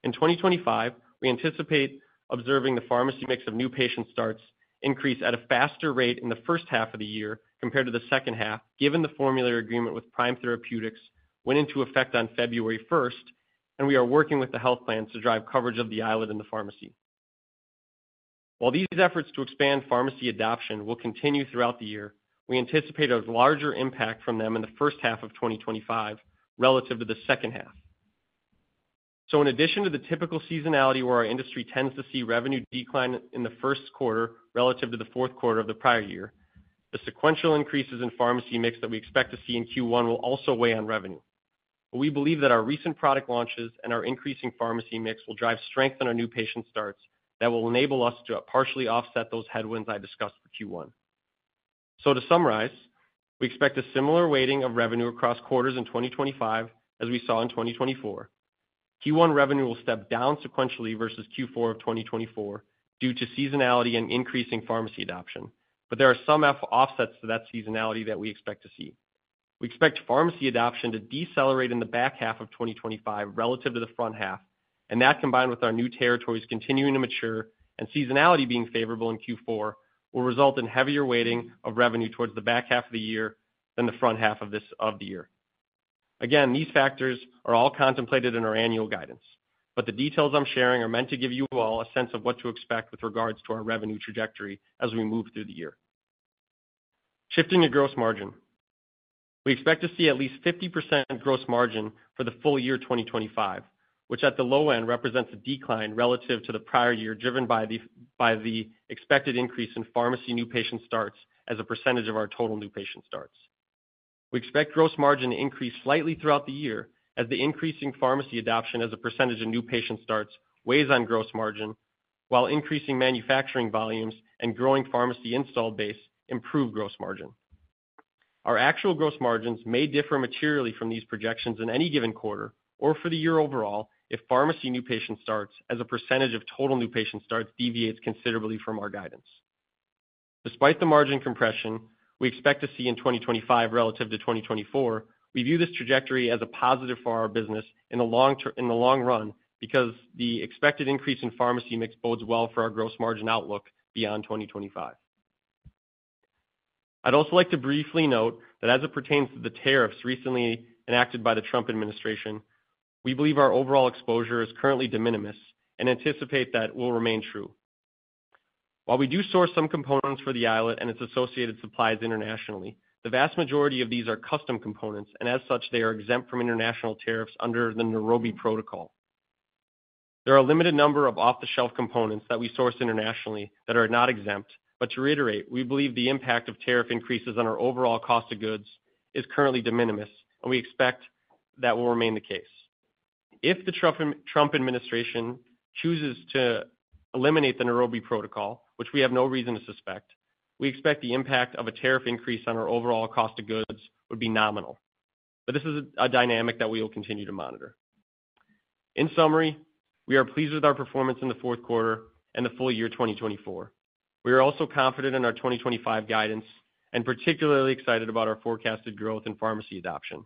S4: In 2025, we anticipate observing the pharmacy mix of new patient starts increase at a faster rate in the first half of the year compared to the second half, given the formulary agreement with Prime Therapeutics went into effect on February 1, and we are working with the health plans to drive coverage of the iLet in the pharmacy. While these efforts to expand pharmacy adoption will continue throughout the year, we anticipate a larger impact from them in the first half of 2025 relative to the second half. In addition to the typical seasonality where our industry tends to see revenue decline in the first quarter relative to the fourth quarter of the prior year, the sequential increases in pharmacy mix that we expect to see in Q1 will also weigh on revenue. We believe that our recent product launches and our increasing pharmacy mix will drive strength in our new patient starts that will enable us to partially offset those headwinds I discussed for Q1. To summarize, we expect a similar weighting of revenue across quarters in 2025 as we saw in 2024. Q1 revenue will step down sequentially versus Q4 of 2024 due to seasonality and increasing pharmacy adoption, but there are some offsets to that seasonality that we expect to see. We expect pharmacy adoption to decelerate in the back half of 2025 relative to the front half, and that combined with our new territories continuing to mature and seasonality being favorable in Q4 will result in heavier weighting of revenue towards the back half of the year than the front half of the year. Again, these factors are all contemplated in our annual guidance, but the details I'm sharing are meant to give you all a sense of what to expect with regards to our revenue trajectory as we move through the year. Shifting to gross margin, we expect to see at least 50% gross margin for the full year 2025, which at the low end represents a decline relative to the prior year driven by the expected increase in pharmacy new patient starts as a percentage of our total new patient starts. We expect gross margin to increase slightly throughout the year as the increasing pharmacy adoption as a percentage of new patient starts weighs on gross margin, while increasing manufacturing volumes and growing pharmacy install base improve gross margin. Our actual gross margins may differ materially from these projections in any given quarter or for the year overall if pharmacy new patient starts as a percentage of total new patient starts deviates considerably from our guidance. Despite the margin compression we expect to see in 2025 relative to 2024, we view this trajectory as a positive for our business in the long run because the expected increase in pharmacy mix bodes well for our gross margin outlook beyond 2025. I'd also like to briefly note that as it pertains to the tariffs recently enacted by the Trump administration, we believe our overall exposure is currently de minimis and anticipate that will remain true. While we do source some components for the iLet and its associated supplies internationally, the vast majority of these are custom components, and as such, they are exempt from international tariffs under the Nairobi Protocol. There are a limited number of off-the-shelf components that we source internationally that are not exempt, but to reiterate, we believe the impact of tariff increases on our overall cost of goods is currently de minimis, and we expect that will remain the case. If the Trump administration chooses to eliminate the Nairobi Protocol, which we have no reason to suspect, we expect the impact of a tariff increase on our overall cost of goods would be nominal, but this is a dynamic that we will continue to monitor. In summary, we are pleased with our performance in the fourth quarter and the full year 2024. We are also confident in our 2025 guidance and particularly excited about our forecasted growth in pharmacy adoption.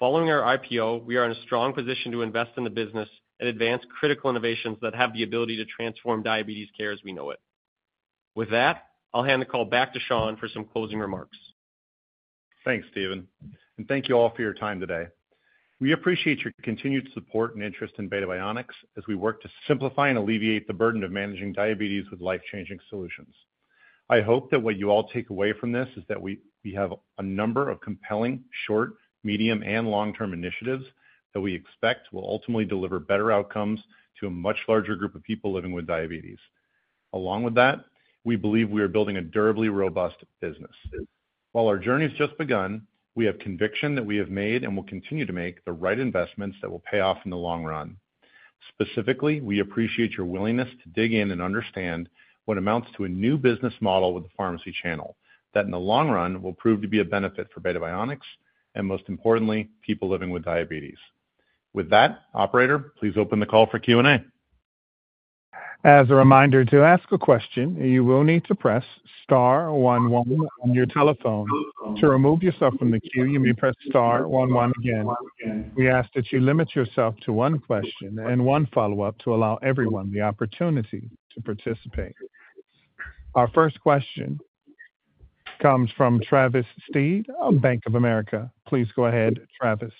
S4: Following our IPO, we are in a strong position to invest in the business and advance critical innovations that have the ability to transform diabetes care as we know it. With that, I'll hand the call back to Sean for some closing remarks.
S3: Thanks, Stephen, and thank you all for your time today. We appreciate your continued support and interest in Beta Bionics as we work to simplify and alleviate the burden of managing diabetes with life-changing solutions. I hope that what you all take away from this is that we have a number of compelling short, medium, and long-term initiatives that we expect will ultimately deliver better outcomes to a much larger group of people living with diabetes. Along with that, we believe we are building a durably robust business. While our journey has just begun, we have conviction that we have made and will continue to make the right investments that will pay off in the long run. Specifically, we appreciate your willingness to dig in and understand what amounts to a new business model with the pharmacy channel that in the long run will prove to be a benefit for Beta Bionics and, most importantly, people living with diabetes. With that, Operator, please open the call for Q&A.
S1: As a reminder to ask a question, you will need to press star one one on your telephone. To remove yourself from the queue, you may press star one one again. We ask that you limit yourself to one question and one follow-up to allow everyone the opportunity to participate. Our first question comes from Travis Steed of Bank of America. Please go ahead, Travis.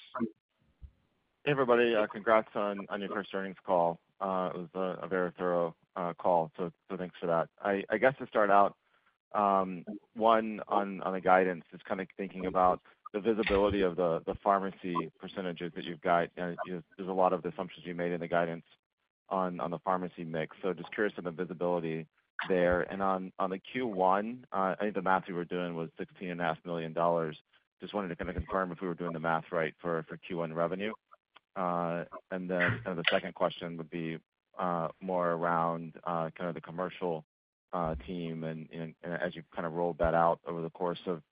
S5: Hey, everybody. Congrats on your first earnings call. It was a very thorough call, so thanks for that. I guess to start out, one on the guidance is kind of thinking about the visibility of the pharmacy percentages that you've got. There's a lot of assumptions you made in the guidance on the pharmacy mix, so just curious on the visibility there. On the Q1, I think the math we were doing was $16.5 million. Just wanted to kind of confirm if we were doing the math right for Q1 revenue. The second question would be more around kind of the commercial team. As you've kind of rolled that out over the course of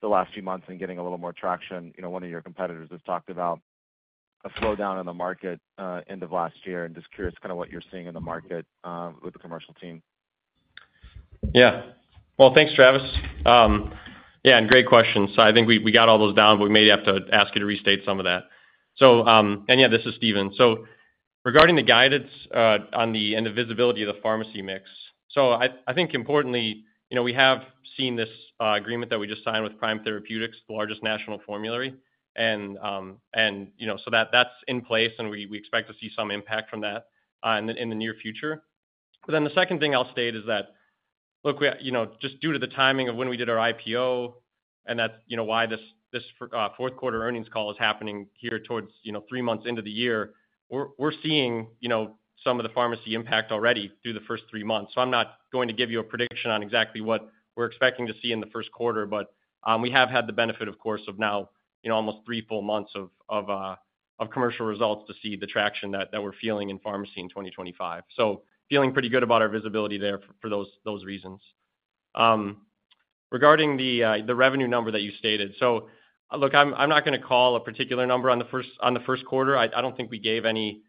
S5: the last few months and getting a little more traction, one of your competitors has talked about a slowdown in the market end of last year. Just curious kind of what you're seeing in the market with the commercial team.
S4: Yeah, great questions. I think we got all those down, but we may have to ask you to restate some of that. Yeah, this is Stephen. Regarding the guidance on the visibility of the pharmacy mix, I think importantly, we have seen this agreement that we just signed with Prime Therapeutics, the largest national formulary. That's in place, and we expect to see some impact from that in the near future. The second thing I'll state is that, just due to the timing of when we did our IPO, and that's why this fourth quarter earnings call is happening here towards three months into the year, we're seeing some of the pharmacy impact already through the first three months. I'm not going to give you a prediction on exactly what we're expecting to see in the first quarter, but we have had the benefit, of course, of now almost three full months of commercial results to see the traction that we're feeling in pharmacy in 2025. Feeling pretty good about our visibility there for those reasons. Regarding the revenue number that you stated, look, I'm not going to call a particular number on the first quarter. I don't think we gave any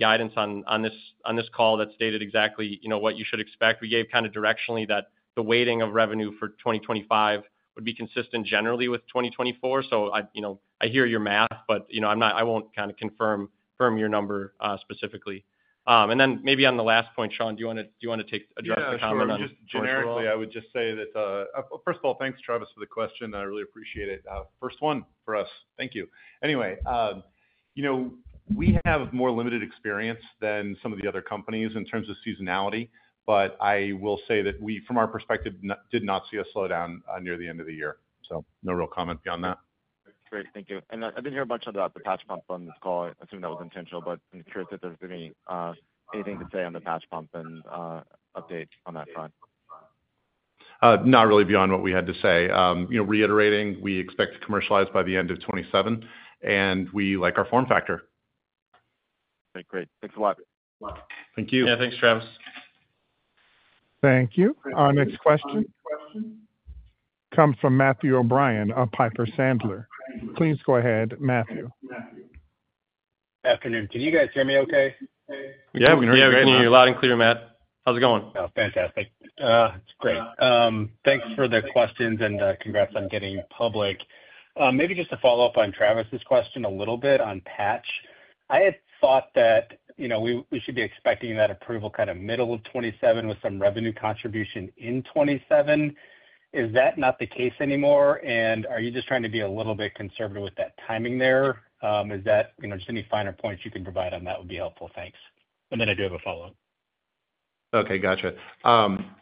S4: guidance on this call that stated exactly what you should expect. We gave kind of directionally that the weighting of revenue for 2025 would be consistent generally with 2024. I hear your math, but I won't kind of confirm your number specifically. Maybe on the last point, Sean, do you want to address the comment?
S3: Just generically, I would just say that, first of all, thanks, Travis, for the question. I really appreciate it. First one for us. Thank you. Anyway, we have more limited experience than some of the other companies in terms of seasonality, but I will say that we, from our perspective, did not see a slowdown near the end of the year. No real comment beyond that.
S5: Great. Thank you. I did not hear a bunch about the patch pump on this call. I assume that was intentional, but I am curious if there is anything to say on the patch pump and update on that front.
S3: Not really beyond what we had to say. Reiterating, we expect to commercialize by the end of 2027, and we like our form factor.
S5: Okay. Great. Thanks a lot.
S4: Thank you. Yeah. Thanks, Travis.
S1: Thank you. Our next question comes from Matthew O'Brien of Piper Sandler. Please go ahead, Matthew.
S6: Good afternoon. Can you guys hear me okay?
S4: Yeah. We can hear you clearly. Loud and clear, Matt. How's it going?
S6: Oh, fantastic. It's great. Thanks for the questions and congrats on getting public. Maybe just to follow up on Travis's question a little bit on patch. I had thought that we should be expecting that approval kind of middle of 2027 with some revenue contribution in 2027. Is that not the case anymore? Are you just trying to be a little bit conservative with that timing there? Is that just any finer points you can provide on that would be helpful? Thanks. I do have a follow-up.
S3: Okay. Gotcha.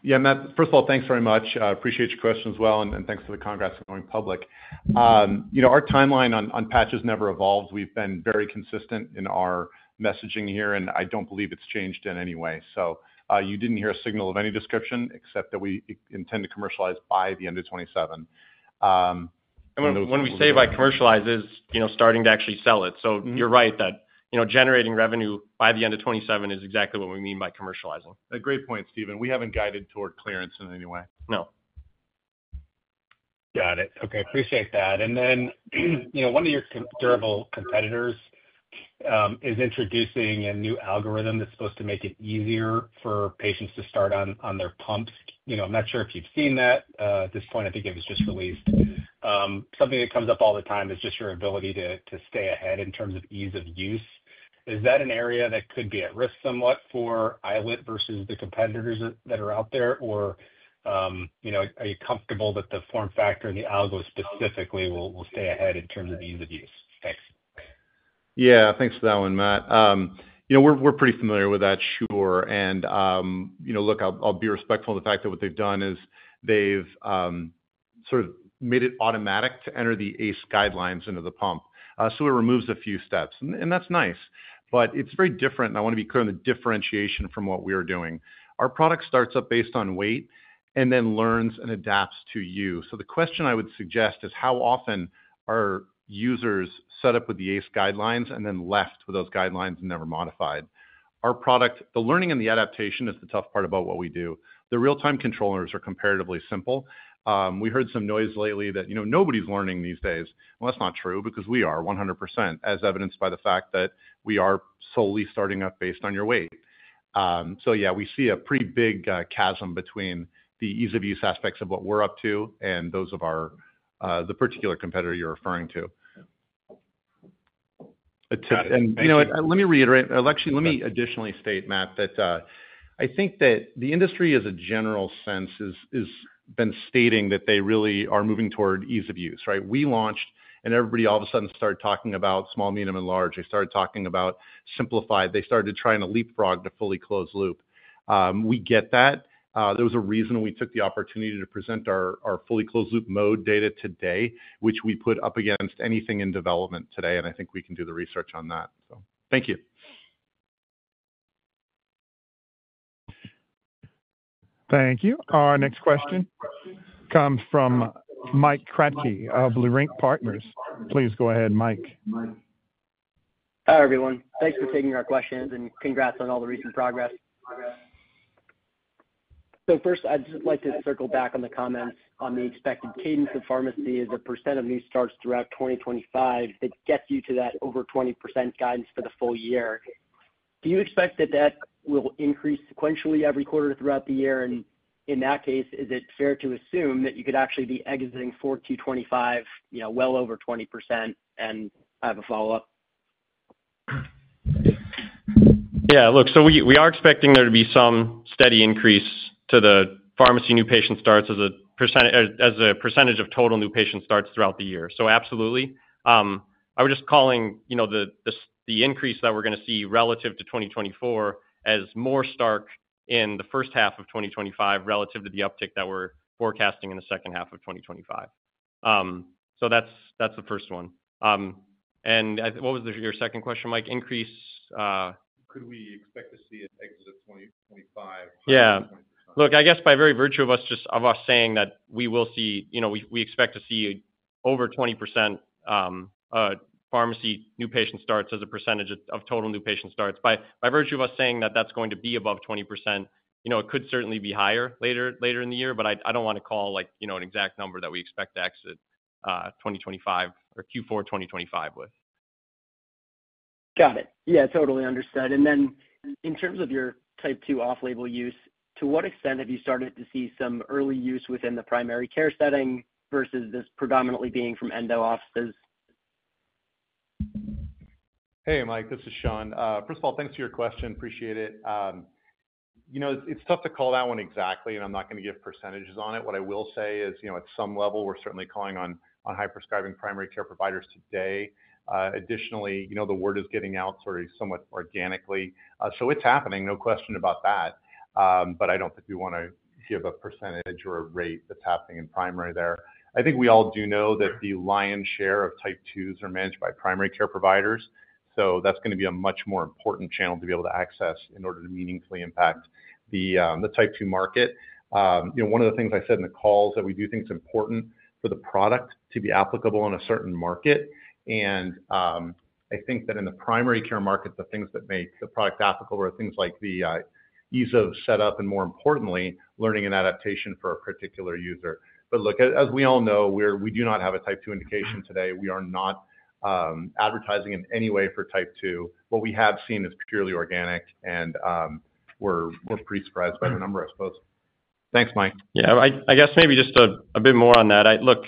S3: Yeah, Matt. First of all, thanks very much. Appreciate your questions as well, and thanks for the congrats on going public. Our timeline on patch has never evolved. We've been very consistent in our messaging here, and I don't believe it's changed in any way. You didn't hear a signal of any description except that we intend to commercialize by the end of 2027.
S4: When we say by commercialize, it's starting to actually sell it. You're right that generating revenue by the end of 2027 is exactly what we mean by commercializing.
S3: A great point, Stephen. We haven't guided toward clearance in any way. No.
S6: Got it. Okay. Appreciate that. One of your durable competitors is introducing a new algorithm that's supposed to make it easier for patients to start on their pumps. I'm not sure if you've seen that at this point. I think it was just released. Something that comes up all the time is just your ability to stay ahead in terms of ease of use. Is that an area that could be at risk somewhat for iLet versus the competitors that are out there? Are you comfortable that the form factor and the algo specifically will stay ahead in terms of ease of use? Thanks.
S3: Yeah. Thanks for that one, Matt. We're pretty familiar with that, sure. Look, I'll be respectful of the fact that what they've done is they've sort of made it automatic to enter the ACE guidelines into the pump. It removes a few steps, and that's nice. It is very different, and I want to be clear on the differentiation from what we are doing. Our product starts up based on weight and then learns and adapts to you. The question I would suggest is how often are users set up with the ACE guidelines and then left with those guidelines and never modified? The learning and the adaptation is the tough part about what we do. The real-time controllers are comparatively simple. We heard some noise lately that nobody's learning these days. That is not true because we are 100%, as evidenced by the fact that we are solely starting up based on your weight. Yeah, we see a pretty big chasm between the ease of use aspects of what we're up to and those of the particular competitor you're referring to. Let me reiterate, or actually, let me additionally state, Matt, that I think that the industry, as a general sense, has been stating that they really are moving toward ease of use, right? We launched, and everybody all of a sudden started talking about small, medium, and large. They started talking about simplified. They started trying to leapfrog the fully closed loop. We get that. There was a reason we took the opportunity to present our fully closed loop mode data today, which we put up against anything in development today, and I think we can do the research on that.
S6: Thank you.
S1: Thank you. Our next question comes from Mike Kratky of Leerink Partners. Please go ahead, Mike.
S7: Hi, everyone. Thanks for taking our questions, and congrats on all the recent progress. First, I'd just like to circle back on the comments on the expected cadence of pharmacy as a percent of new starts throughout 2025 that gets you to that over 20% guidance for the full year. Do you expect that that will increase sequentially every quarter throughout the year? In that case, is it fair to assume that you could actually be exiting for 4Q 2025 well over 20%? I have a follow-up.
S4: Yeah. Look, we are expecting there to be some steady increase to the pharmacy new patient starts as a percentage of total new patient starts throughout the year. Absolutely. I was just calling the increase that we're going to see relative to 2024 as more stark in the first half of 2025 relative to the uptick that we're forecasting in the second half of 2025. That's the first one. What was your second question, Mike? Increase?
S7: Could we expect to see an exit of 2025 higher than 20%?
S4: Yeah. Look, I guess by very virtue of us saying that we will see we expect to see over 20% pharmacy new patient starts as a percentage of total new patient starts. By virtue of us saying that that's going to be above 20%, it could certainly be higher later in the year, but I don't want to call an exact number that we expect to exit Q4 2025 with.
S7: Got it. Yeah, totally understood. In terms of your type 2 off-label use, to what extent have you started to see some early use within the primary care setting versus this predominantly being from end offices?
S3: Hey, Mike. This is Sean. First of all, thanks for your question. Appreciate it. It's tough to call that one exactly, and I'm not going to give percentages on it. What I will say is, at some level, we're certainly calling on high-prescribing primary care providers today. Additionally, the word is getting out sort of somewhat organically. It is happening, no question about that. I do not think we want to give a percentage or a rate that is happening in primary there. I think we all do know that the lion's share of type 2s are managed by primary care providers. That is going to be a much more important channel to be able to access in order to meaningfully impact the type 2 market. One of the things I said in the calls is that we do think it is important for the product to be applicable in a certain market. I think that in the primary care market, the things that make the product applicable are things like the ease of setup and, more importantly, learning and adaptation for a particular user. Look, as we all know, we do not have a type 2 indication today. We are not advertising in any way for type 2. What we have seen is purely organic, and we're pretty surprised by the number, I suppose.
S4: Thanks, Mike. Yeah. I guess maybe just a bit more on that. Look,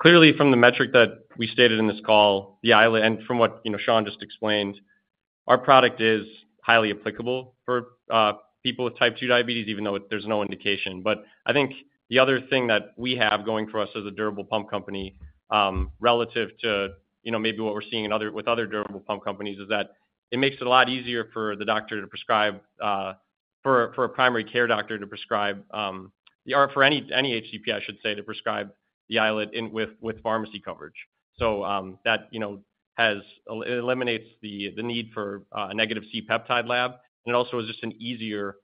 S4: clearly from the metric that we stated in this call, and from what Sean just explained, our product is highly applicable for people with type 2 diabetes, even though there's no indication. I think the other thing that we have going for us as a durable pump company relative to maybe what we're seeing with other durable pump companies is that it makes it a lot easier for the doctor to prescribe, for a primary care doctor to prescribe, for any HCP, I should say, to prescribe the iLet with pharmacy coverage. That eliminates the need for a negative C peptide lab. It also is just an easier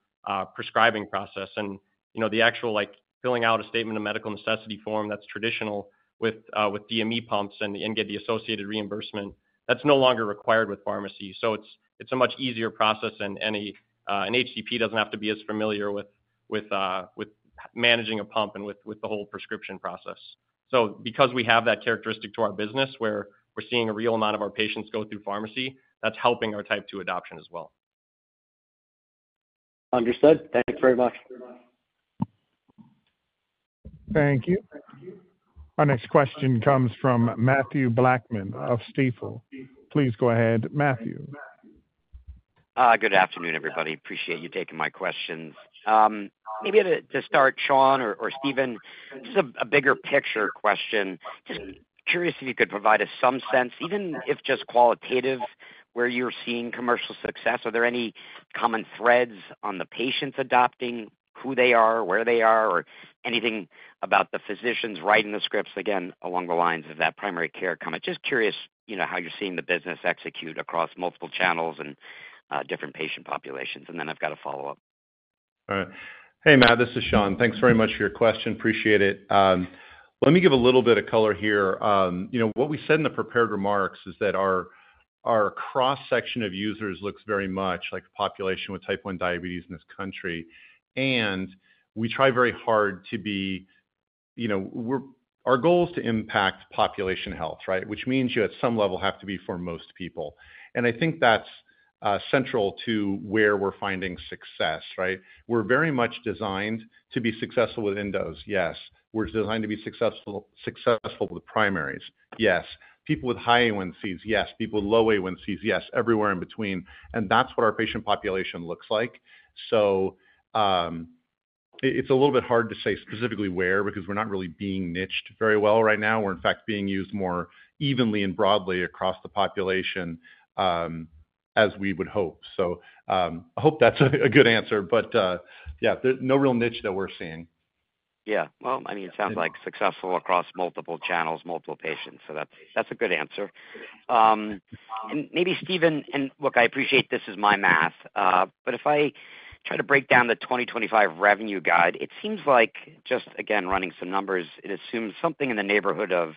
S4: prescribing process. The actual filling out a statement of medical necessity form that's traditional with DME pumps and getting the associated reimbursement, that's no longer required with pharmacy. It's a much easier process, and an HCP doesn't have to be as familiar with managing a pump and with the whole prescription process. Because we have that characteristic to our business where we're seeing a real amount of our patients go through pharmacy, that's helping our type 2 adoption as well.
S7: Understood. Thanks very much.
S1: Thank you. Our next question comes from Matthew Blackman of Stifel. Please go ahead, Matthew. Good afternoon, everybody. Appreciate you taking my questions. Maybe to start, Sean or Stephen, just a bigger picture question. Just curious if you could provide us some sense, even if just qualitative, where you're seeing commercial success. Are there any common threads on the patients adopting, who they are, where they are, or anything about the physicians writing the scripts, again, along the lines of that primary care comment? Just curious how you're seeing the business execute across multiple channels and different patient populations. I have a follow-up.
S3: All right. Hey, Matt. This is Sean. Thanks very much for your question. Appreciate it. Let me give a little bit of color here. What we said in the prepared remarks is that our cross-section of users looks very much like the population with type 1 diabetes in this country. We try very hard to be our goal is to impact population health, right? Which means you at some level have to be for most people. I think that's central to where we're finding success, right? We're very much designed to be successful with endos, yes. We're designed to be successful with primaries, yes. People with high A1Cs, yes. People with low A1Cs, yes. Everywhere in between. That's what our patient population looks like. It's a little bit hard to say specifically where because we're not really being niched very well right now. We're, in fact, being used more evenly and broadly across the population as we would hope. I hope that's a good answer. Yeah, no real niche that we're seeing.
S8: Yeah. I mean, it sounds like successful across multiple channels, multiple patients. That's a good answer. Maybe, Stephen, and look, I appreciate this is my math. If I try to break down the 2025 revenue guide, it seems like just, again, running some numbers, it assumes something in the neighborhood of,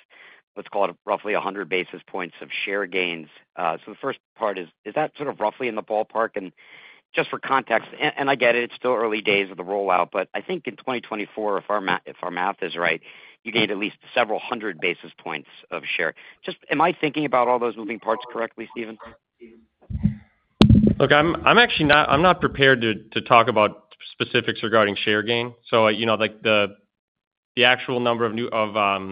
S8: let's call it, roughly 100 basis points of share gains. The first part is, is that sort of roughly in the ballpark? Just for context, and I get it, it's still early days of the rollout, but I think in 2024, if our math is right, you gained at least several hundred basis points of share. Am I thinking about all those moving parts correctly, Stephen?
S4: Look, I'm actually not prepared to talk about specifics regarding share gain. So the actual number of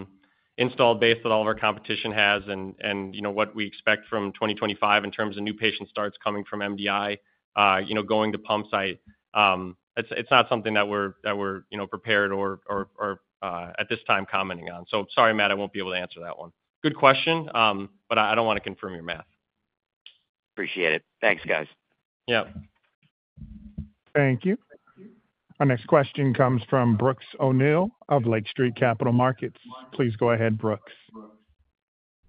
S4: installed base that all of our competition has and what we expect from 2025 in terms of new patient starts coming from MDI going to pump site, it's not something that we're prepared or at this time commenting on. Sorry, Matt, I won't be able to answer that one. Good question, but I don't want to confirm your math.
S8: Appreciate it. Thanks, guys. Yeah.
S1: Thank you. Our next question comes from Brooks O'Neil of Lake Street Capital Markets. Please go ahead, Brooks.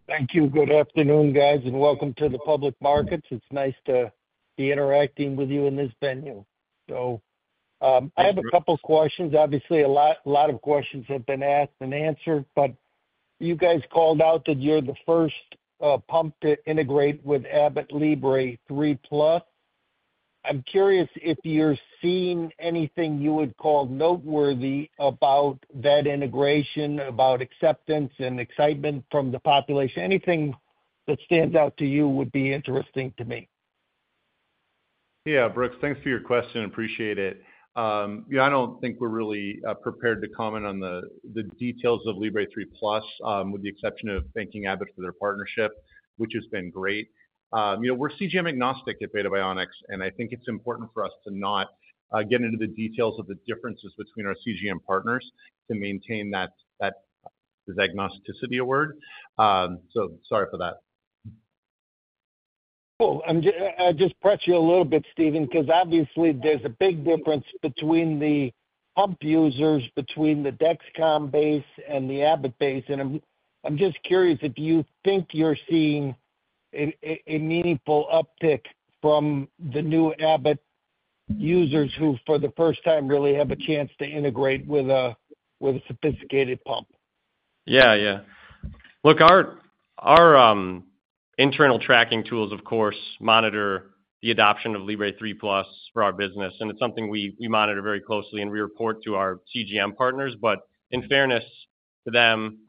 S9: Thank you. Good afternoon, guys, and welcome to the public markets. It's nice to be interacting with you in this venue. I have a couple of questions. Obviously, a lot of questions have been asked and answered, but you guys called out that you're the first pump to integrate with Abbott Libre 3 Plus. I'm curious if you're seeing anything you would call noteworthy about that integration, about acceptance and excitement from the population. Anything that stands out to you would be interesting to me. Yeah, Brooks, thanks for your question. Appreciate it. I don't think we're really prepared to comment on the details of Libre 3 Plus with the exception of thanking Abbott for their partnership, which has been great. We're CGM-agnostic at Beta Bionics, and I think it's important for us to not get into the details of the differences between our CGM partners to maintain that agnosticity word. So sorry for that. Cool. I'll just press you a little bit, Stephen, because obviously, there's a big difference between the pump users, between the Dexcom base and the Abbott base. I'm just curious if you think you're seeing a meaningful uptick from the new Abbott users who, for the first time, really have a chance to integrate with a sophisticated pump.
S4: Yeah, yeah. Look, our internal tracking tools, of course, monitor the adoption of Libre 3 Plus for our business. It's something we monitor very closely, and we report to our CGM partners. In fairness to them,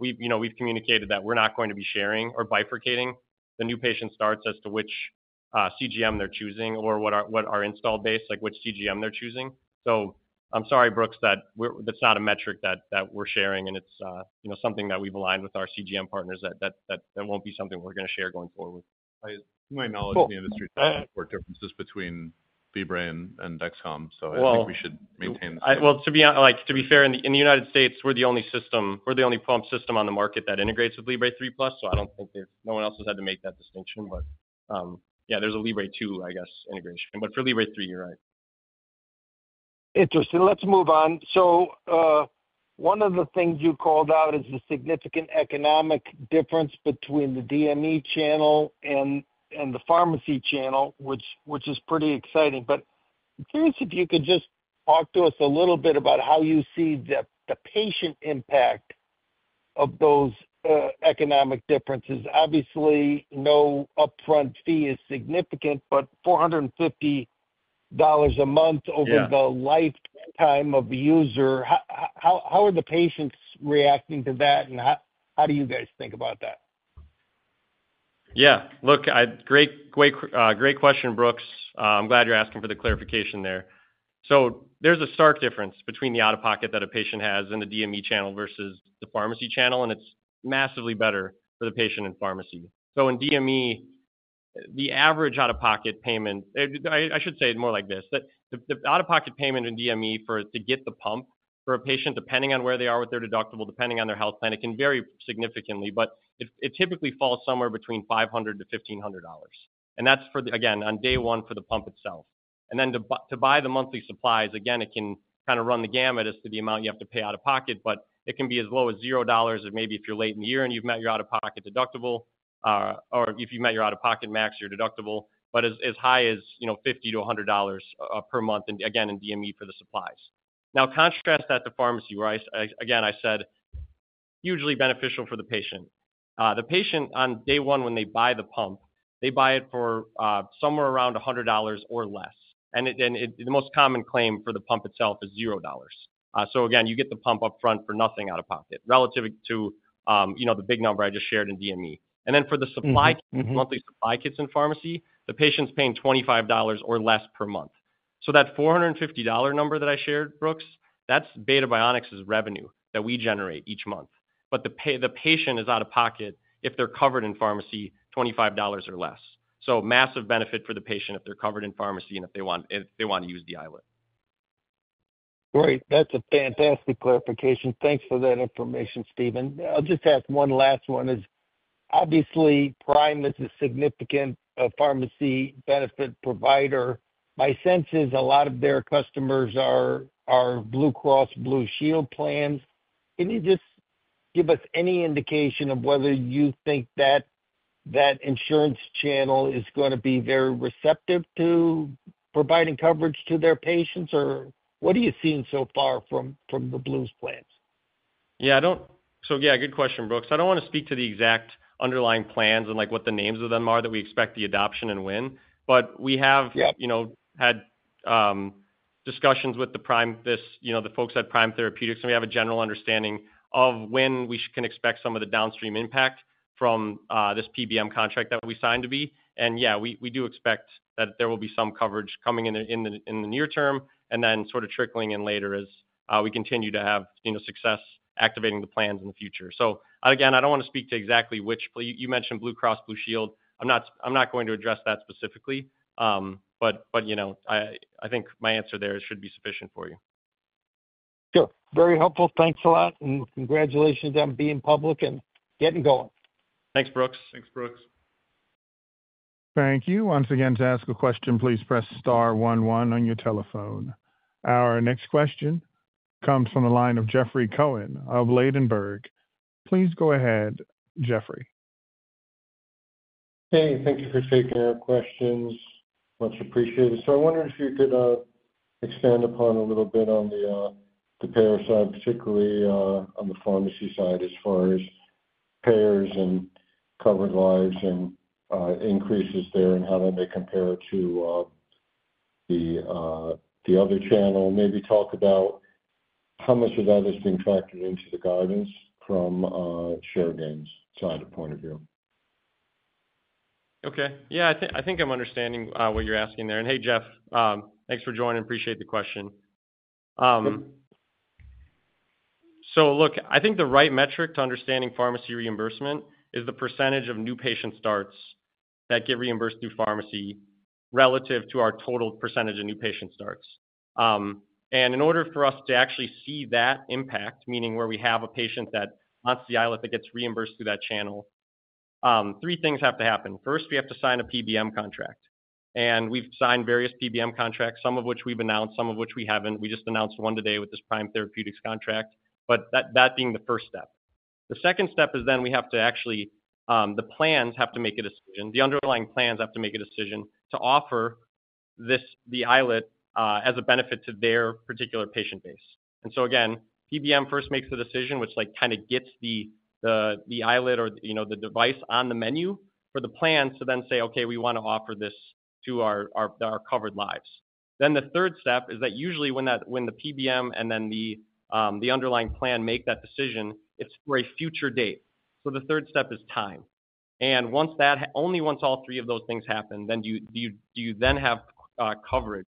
S4: we've communicated that we're not going to be sharing or bifurcating the new patient starts as to which CGM they're choosing or what our install base, like which CGM they're choosing. I'm sorry, Brooks, that's not a metric that we're sharing, and it's something that we've aligned with our CGM partners that won't be something we're going to share going forward.
S3: To my knowledge, the industry doesn't support differences between Libre and Dexcom, so I think we should maintain the same.
S4: To be fair, in the United States, we're the only pump system on the market that integrates with Libre 3 Plus. I don't think no one else has had to make that distinction. There's a Libre 2, I guess, integration. For Libre 3, you're right. Interesting.
S9: Let's move on. One of the things you called out is the significant economic difference between the DME channel and the pharmacy channel, which is pretty exciting. But I'm curious if you could just talk to us a little bit about how you see the patient impact of those economic differences. Obviously, no upfront fee is significant, but $450 a month over the lifetime of a user. How are the patients reacting to that, and how do you guys think about that?
S4: Yeah. Look, great question, Brooks. I'm glad you're asking for the clarification there. There's a stark difference between the out-of-pocket that a patient has in the DME channel versus the pharmacy channel, and it's massively better for the patient in pharmacy. In DME, the average out-of-pocket payment, I should say it more like this, that the out-of-pocket payment in DME to get the pump for a patient, depending on where they are with their deductible, depending on their health plan, it can vary significantly. It typically falls somewhere between $500-$1,500. That is for, again, on day one for the pump itself. To buy the monthly supplies, again, it can kind of run the gamut as to the amount you have to pay out of pocket, but it can be as low as $0 if maybe if you are late in the year and you have met your out-of-pocket deductible, or if you have met your out-of-pocket max, your deductible, but as high as $50-$100 per month, again, in DME for the supplies. Now, contrast that to pharmacy, where again, I said hugely beneficial for the patient. The patient, on day one, when they buy the pump, they buy it for somewhere around $100 or less. The most common claim for the pump itself is $0. You get the pump upfront for nothing out of pocket relative to the big number I just shared in DME.
S10: For the monthly supply kits in pharmacy, the patient's paying $25 or less per month. That $450 number that I shared, Brooks, that's Beta Bionics' revenue that we generate each month. The patient is out of pocket if they're covered in pharmacy, $25 or less. Massive benefit for the patient if they're covered in pharmacy and if they want to use the iLet.
S9: Great. That's a fantastic clarification. Thanks for that information, Stephen. I'll just ask one last one. Obviously, Prime is a significant pharmacy benefit provider. My sense is a lot of their customers are Blue Cross Blue Shield plans. Can you just give us any indication of whether you think that insurance channel is going to be very receptive to providing coverage to their patients, or what are you seeing so far from the Blues plans?
S4: Yeah. Good question, Brooks. I don't want to speak to the exact underlying plans and what the names of them are that we expect the adoption and when. But we have had discussions with the folks at Prime Therapeutics, and we have a general understanding of when we can expect some of the downstream impact from this PBM contract that we signed to be. Yeah, we do expect that there will be some coverage coming in the near term and then sort of trickling in later as we continue to have success activating the plans in the future. Again, I don't want to speak to exactly which you mentioned Blue Cross Blue Shield. I'm not going to address that specifically, but I think my answer there should be sufficient for you.
S9: Sure. Very helpful. Thanks a lot. And congratulations on being public and getting going.
S3: Thanks, Brooks.
S4: Thanks, Brooks.
S1: Thank you. Once again, to ask a question, please press star 11 on your telephone. Our next question comes from the line of Jeffrey Cohen of Ladenburg Thalmann. Please go ahead, Jeffrey.
S11: Hey, thank you for taking our questions. Much appreciated. I wondered if you could expand upon a little bit on the payer side, particularly on the pharmacy side as far as payers and covered lives and increases there and how that may compare to the other channel. Maybe talk about how much of that is being factored into the guidance from a share gains side of point of view.
S4: Okay. Yeah, I think I'm understanding what you're asking there. Hey, Jeff, thanks for joining. Appreciate the question. I think the right metric to understanding pharmacy reimbursement is the percentage of new patient starts that get reimbursed through pharmacy relative to our total percentage of new patient starts. In order for us to actually see that impact, meaning where we have a patient that wants the iLet that gets reimbursed through that channel, three things have to happen. First, we have to sign a PBM contract. We have signed various PBM contracts, some of which we have announced, some of which we have not. We just announced one today with this Prime Therapeutics contract. That is the first step. The second step is then the plans have to make a decision. The underlying plans have to make a decision to offer the iLet as a benefit to their particular patient base. PBM first makes the decision, which kind of gets the iLet or the device on the menu for the plan to then say, "Okay, we want to offer this to our covered lives." The third step is that usually when the PBM and then the underlying plan make that decision, it is for a future date. The third step is time. Only once all three of those things happen do you then have coverage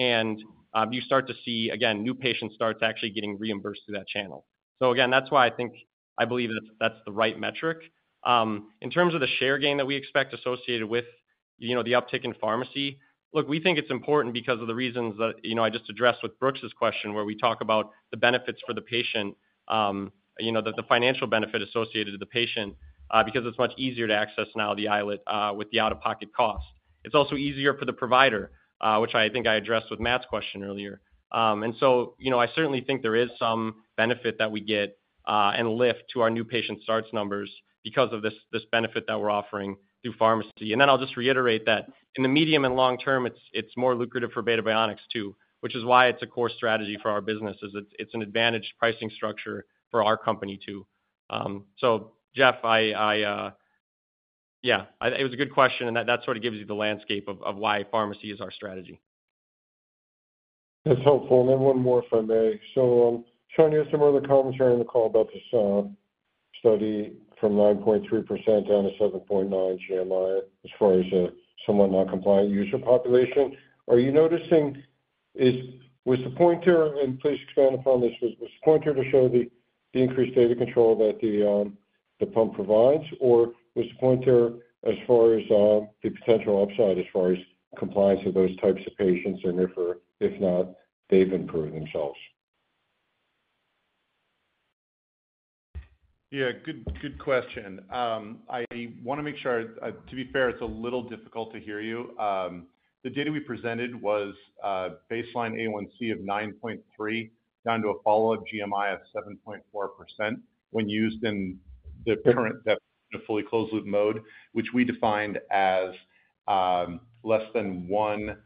S4: and you start to see, again, new patient starts actually getting reimbursed through that channel. That is why I think I believe that is the right metric. In terms of the share gain that we expect associated with the uptick in pharmacy, look, we think it's important because of the reasons that I just addressed with Brooks' question where we talk about the benefits for the patient, the financial benefit associated with the patient, because it's much easier to access now the iLet with the out-of-pocket cost. It's also easier for the provider, which I think I addressed with Matt's question earlier. I certainly think there is some benefit that we get and lift to our new patient starts numbers because of this benefit that we're offering through pharmacy. I'll just reiterate that in the medium and long term, it's more lucrative for Beta Bionics too, which is why it's a core strategy for our business. It's an advantaged pricing structure for our company too. Jeff, yeah, it was a good question, and that sort of gives you the landscape of why pharmacy is our strategy.
S11: That's helpful. One more, if I may. Showing you some of the comments during the call about this study from 9.3% down to 7.9 GMI as far as a somewhat non-compliant user population. Are you noticing was the pointer, and please expand upon this, was the pointer to show the increased data control that the pump provides, or was the pointer as far as the potential upside as far as compliance of those types of patients, and if not, they've improved themselves?
S3: Good question. I want to make sure, to be fair, it's a little difficult to hear you. The data we presented was baseline A1C of 9.3 down to a follow-up GMI of 7.4% when used in the current fully closed-loop mode, which we defined as less than one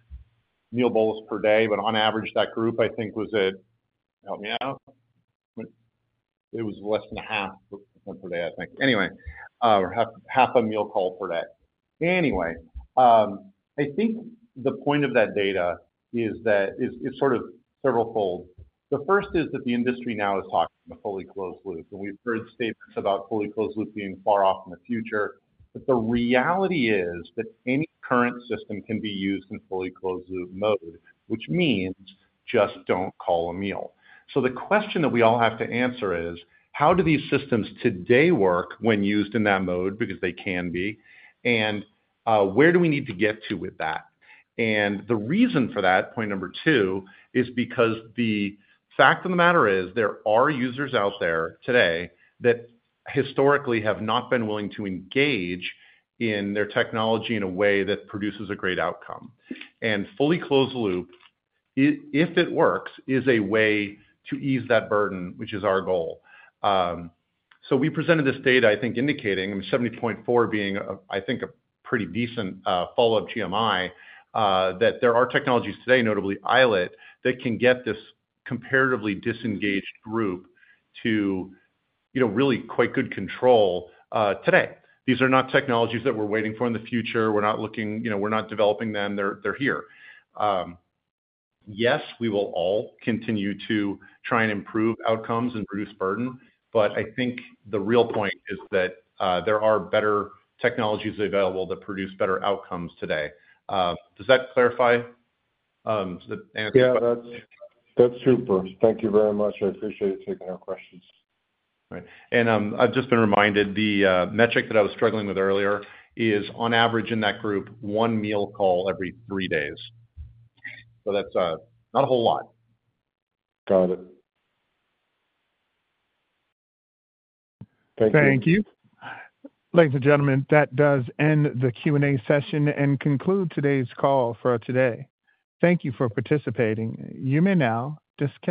S3: meal bolus per day. On average, that group, I think, was at help me out. It was less than half per day, I think. Anyway, half a meal call per day. I think the point of that data is that it's sort of several fold. The first is that the industry now is talking about fully closed loop. We have heard statements about fully closed loop being far off in the future. The reality is that any current system can be used in fully closed-loop mode, which means just do not call a meal. The question that we all have to answer is, how do these systems today work when used in that mode? Because they can be. Where do we need to get to with that? The reason for that, point number two, is because the fact of the matter is there are users out there today that historically have not been willing to engage in their technology in a way that produces a great outcome. Fully closed loop, if it works, is a way to ease that burden, which is our goal. We presented this data, I think, indicating 70.4 being, I think, a pretty decent follow-up GMI, that there are technologies today, notably iLet, that can get this comparatively disengaged group to really quite good control today. These are not technologies that we're waiting for in the future. We're not looking. We're not developing them. They're here. Yes, we will all continue to try and improve outcomes and reduce burden. I think the real point is that there are better technologies available that produce better outcomes today. Does that clarify the answer?
S11: Yeah, that's super. Thank you very much. I appreciate you taking our questions.
S3: Right. I've just been reminded the metric that I was struggling with earlier is, on average, in that group, one meal call every three days. So that's not a whole lot. Got it. Thank you.
S1: Thank you. Ladies and gentlemen, that does end the Q&A session and conclude today's call for today. Thank you for participating. You may now disconnect.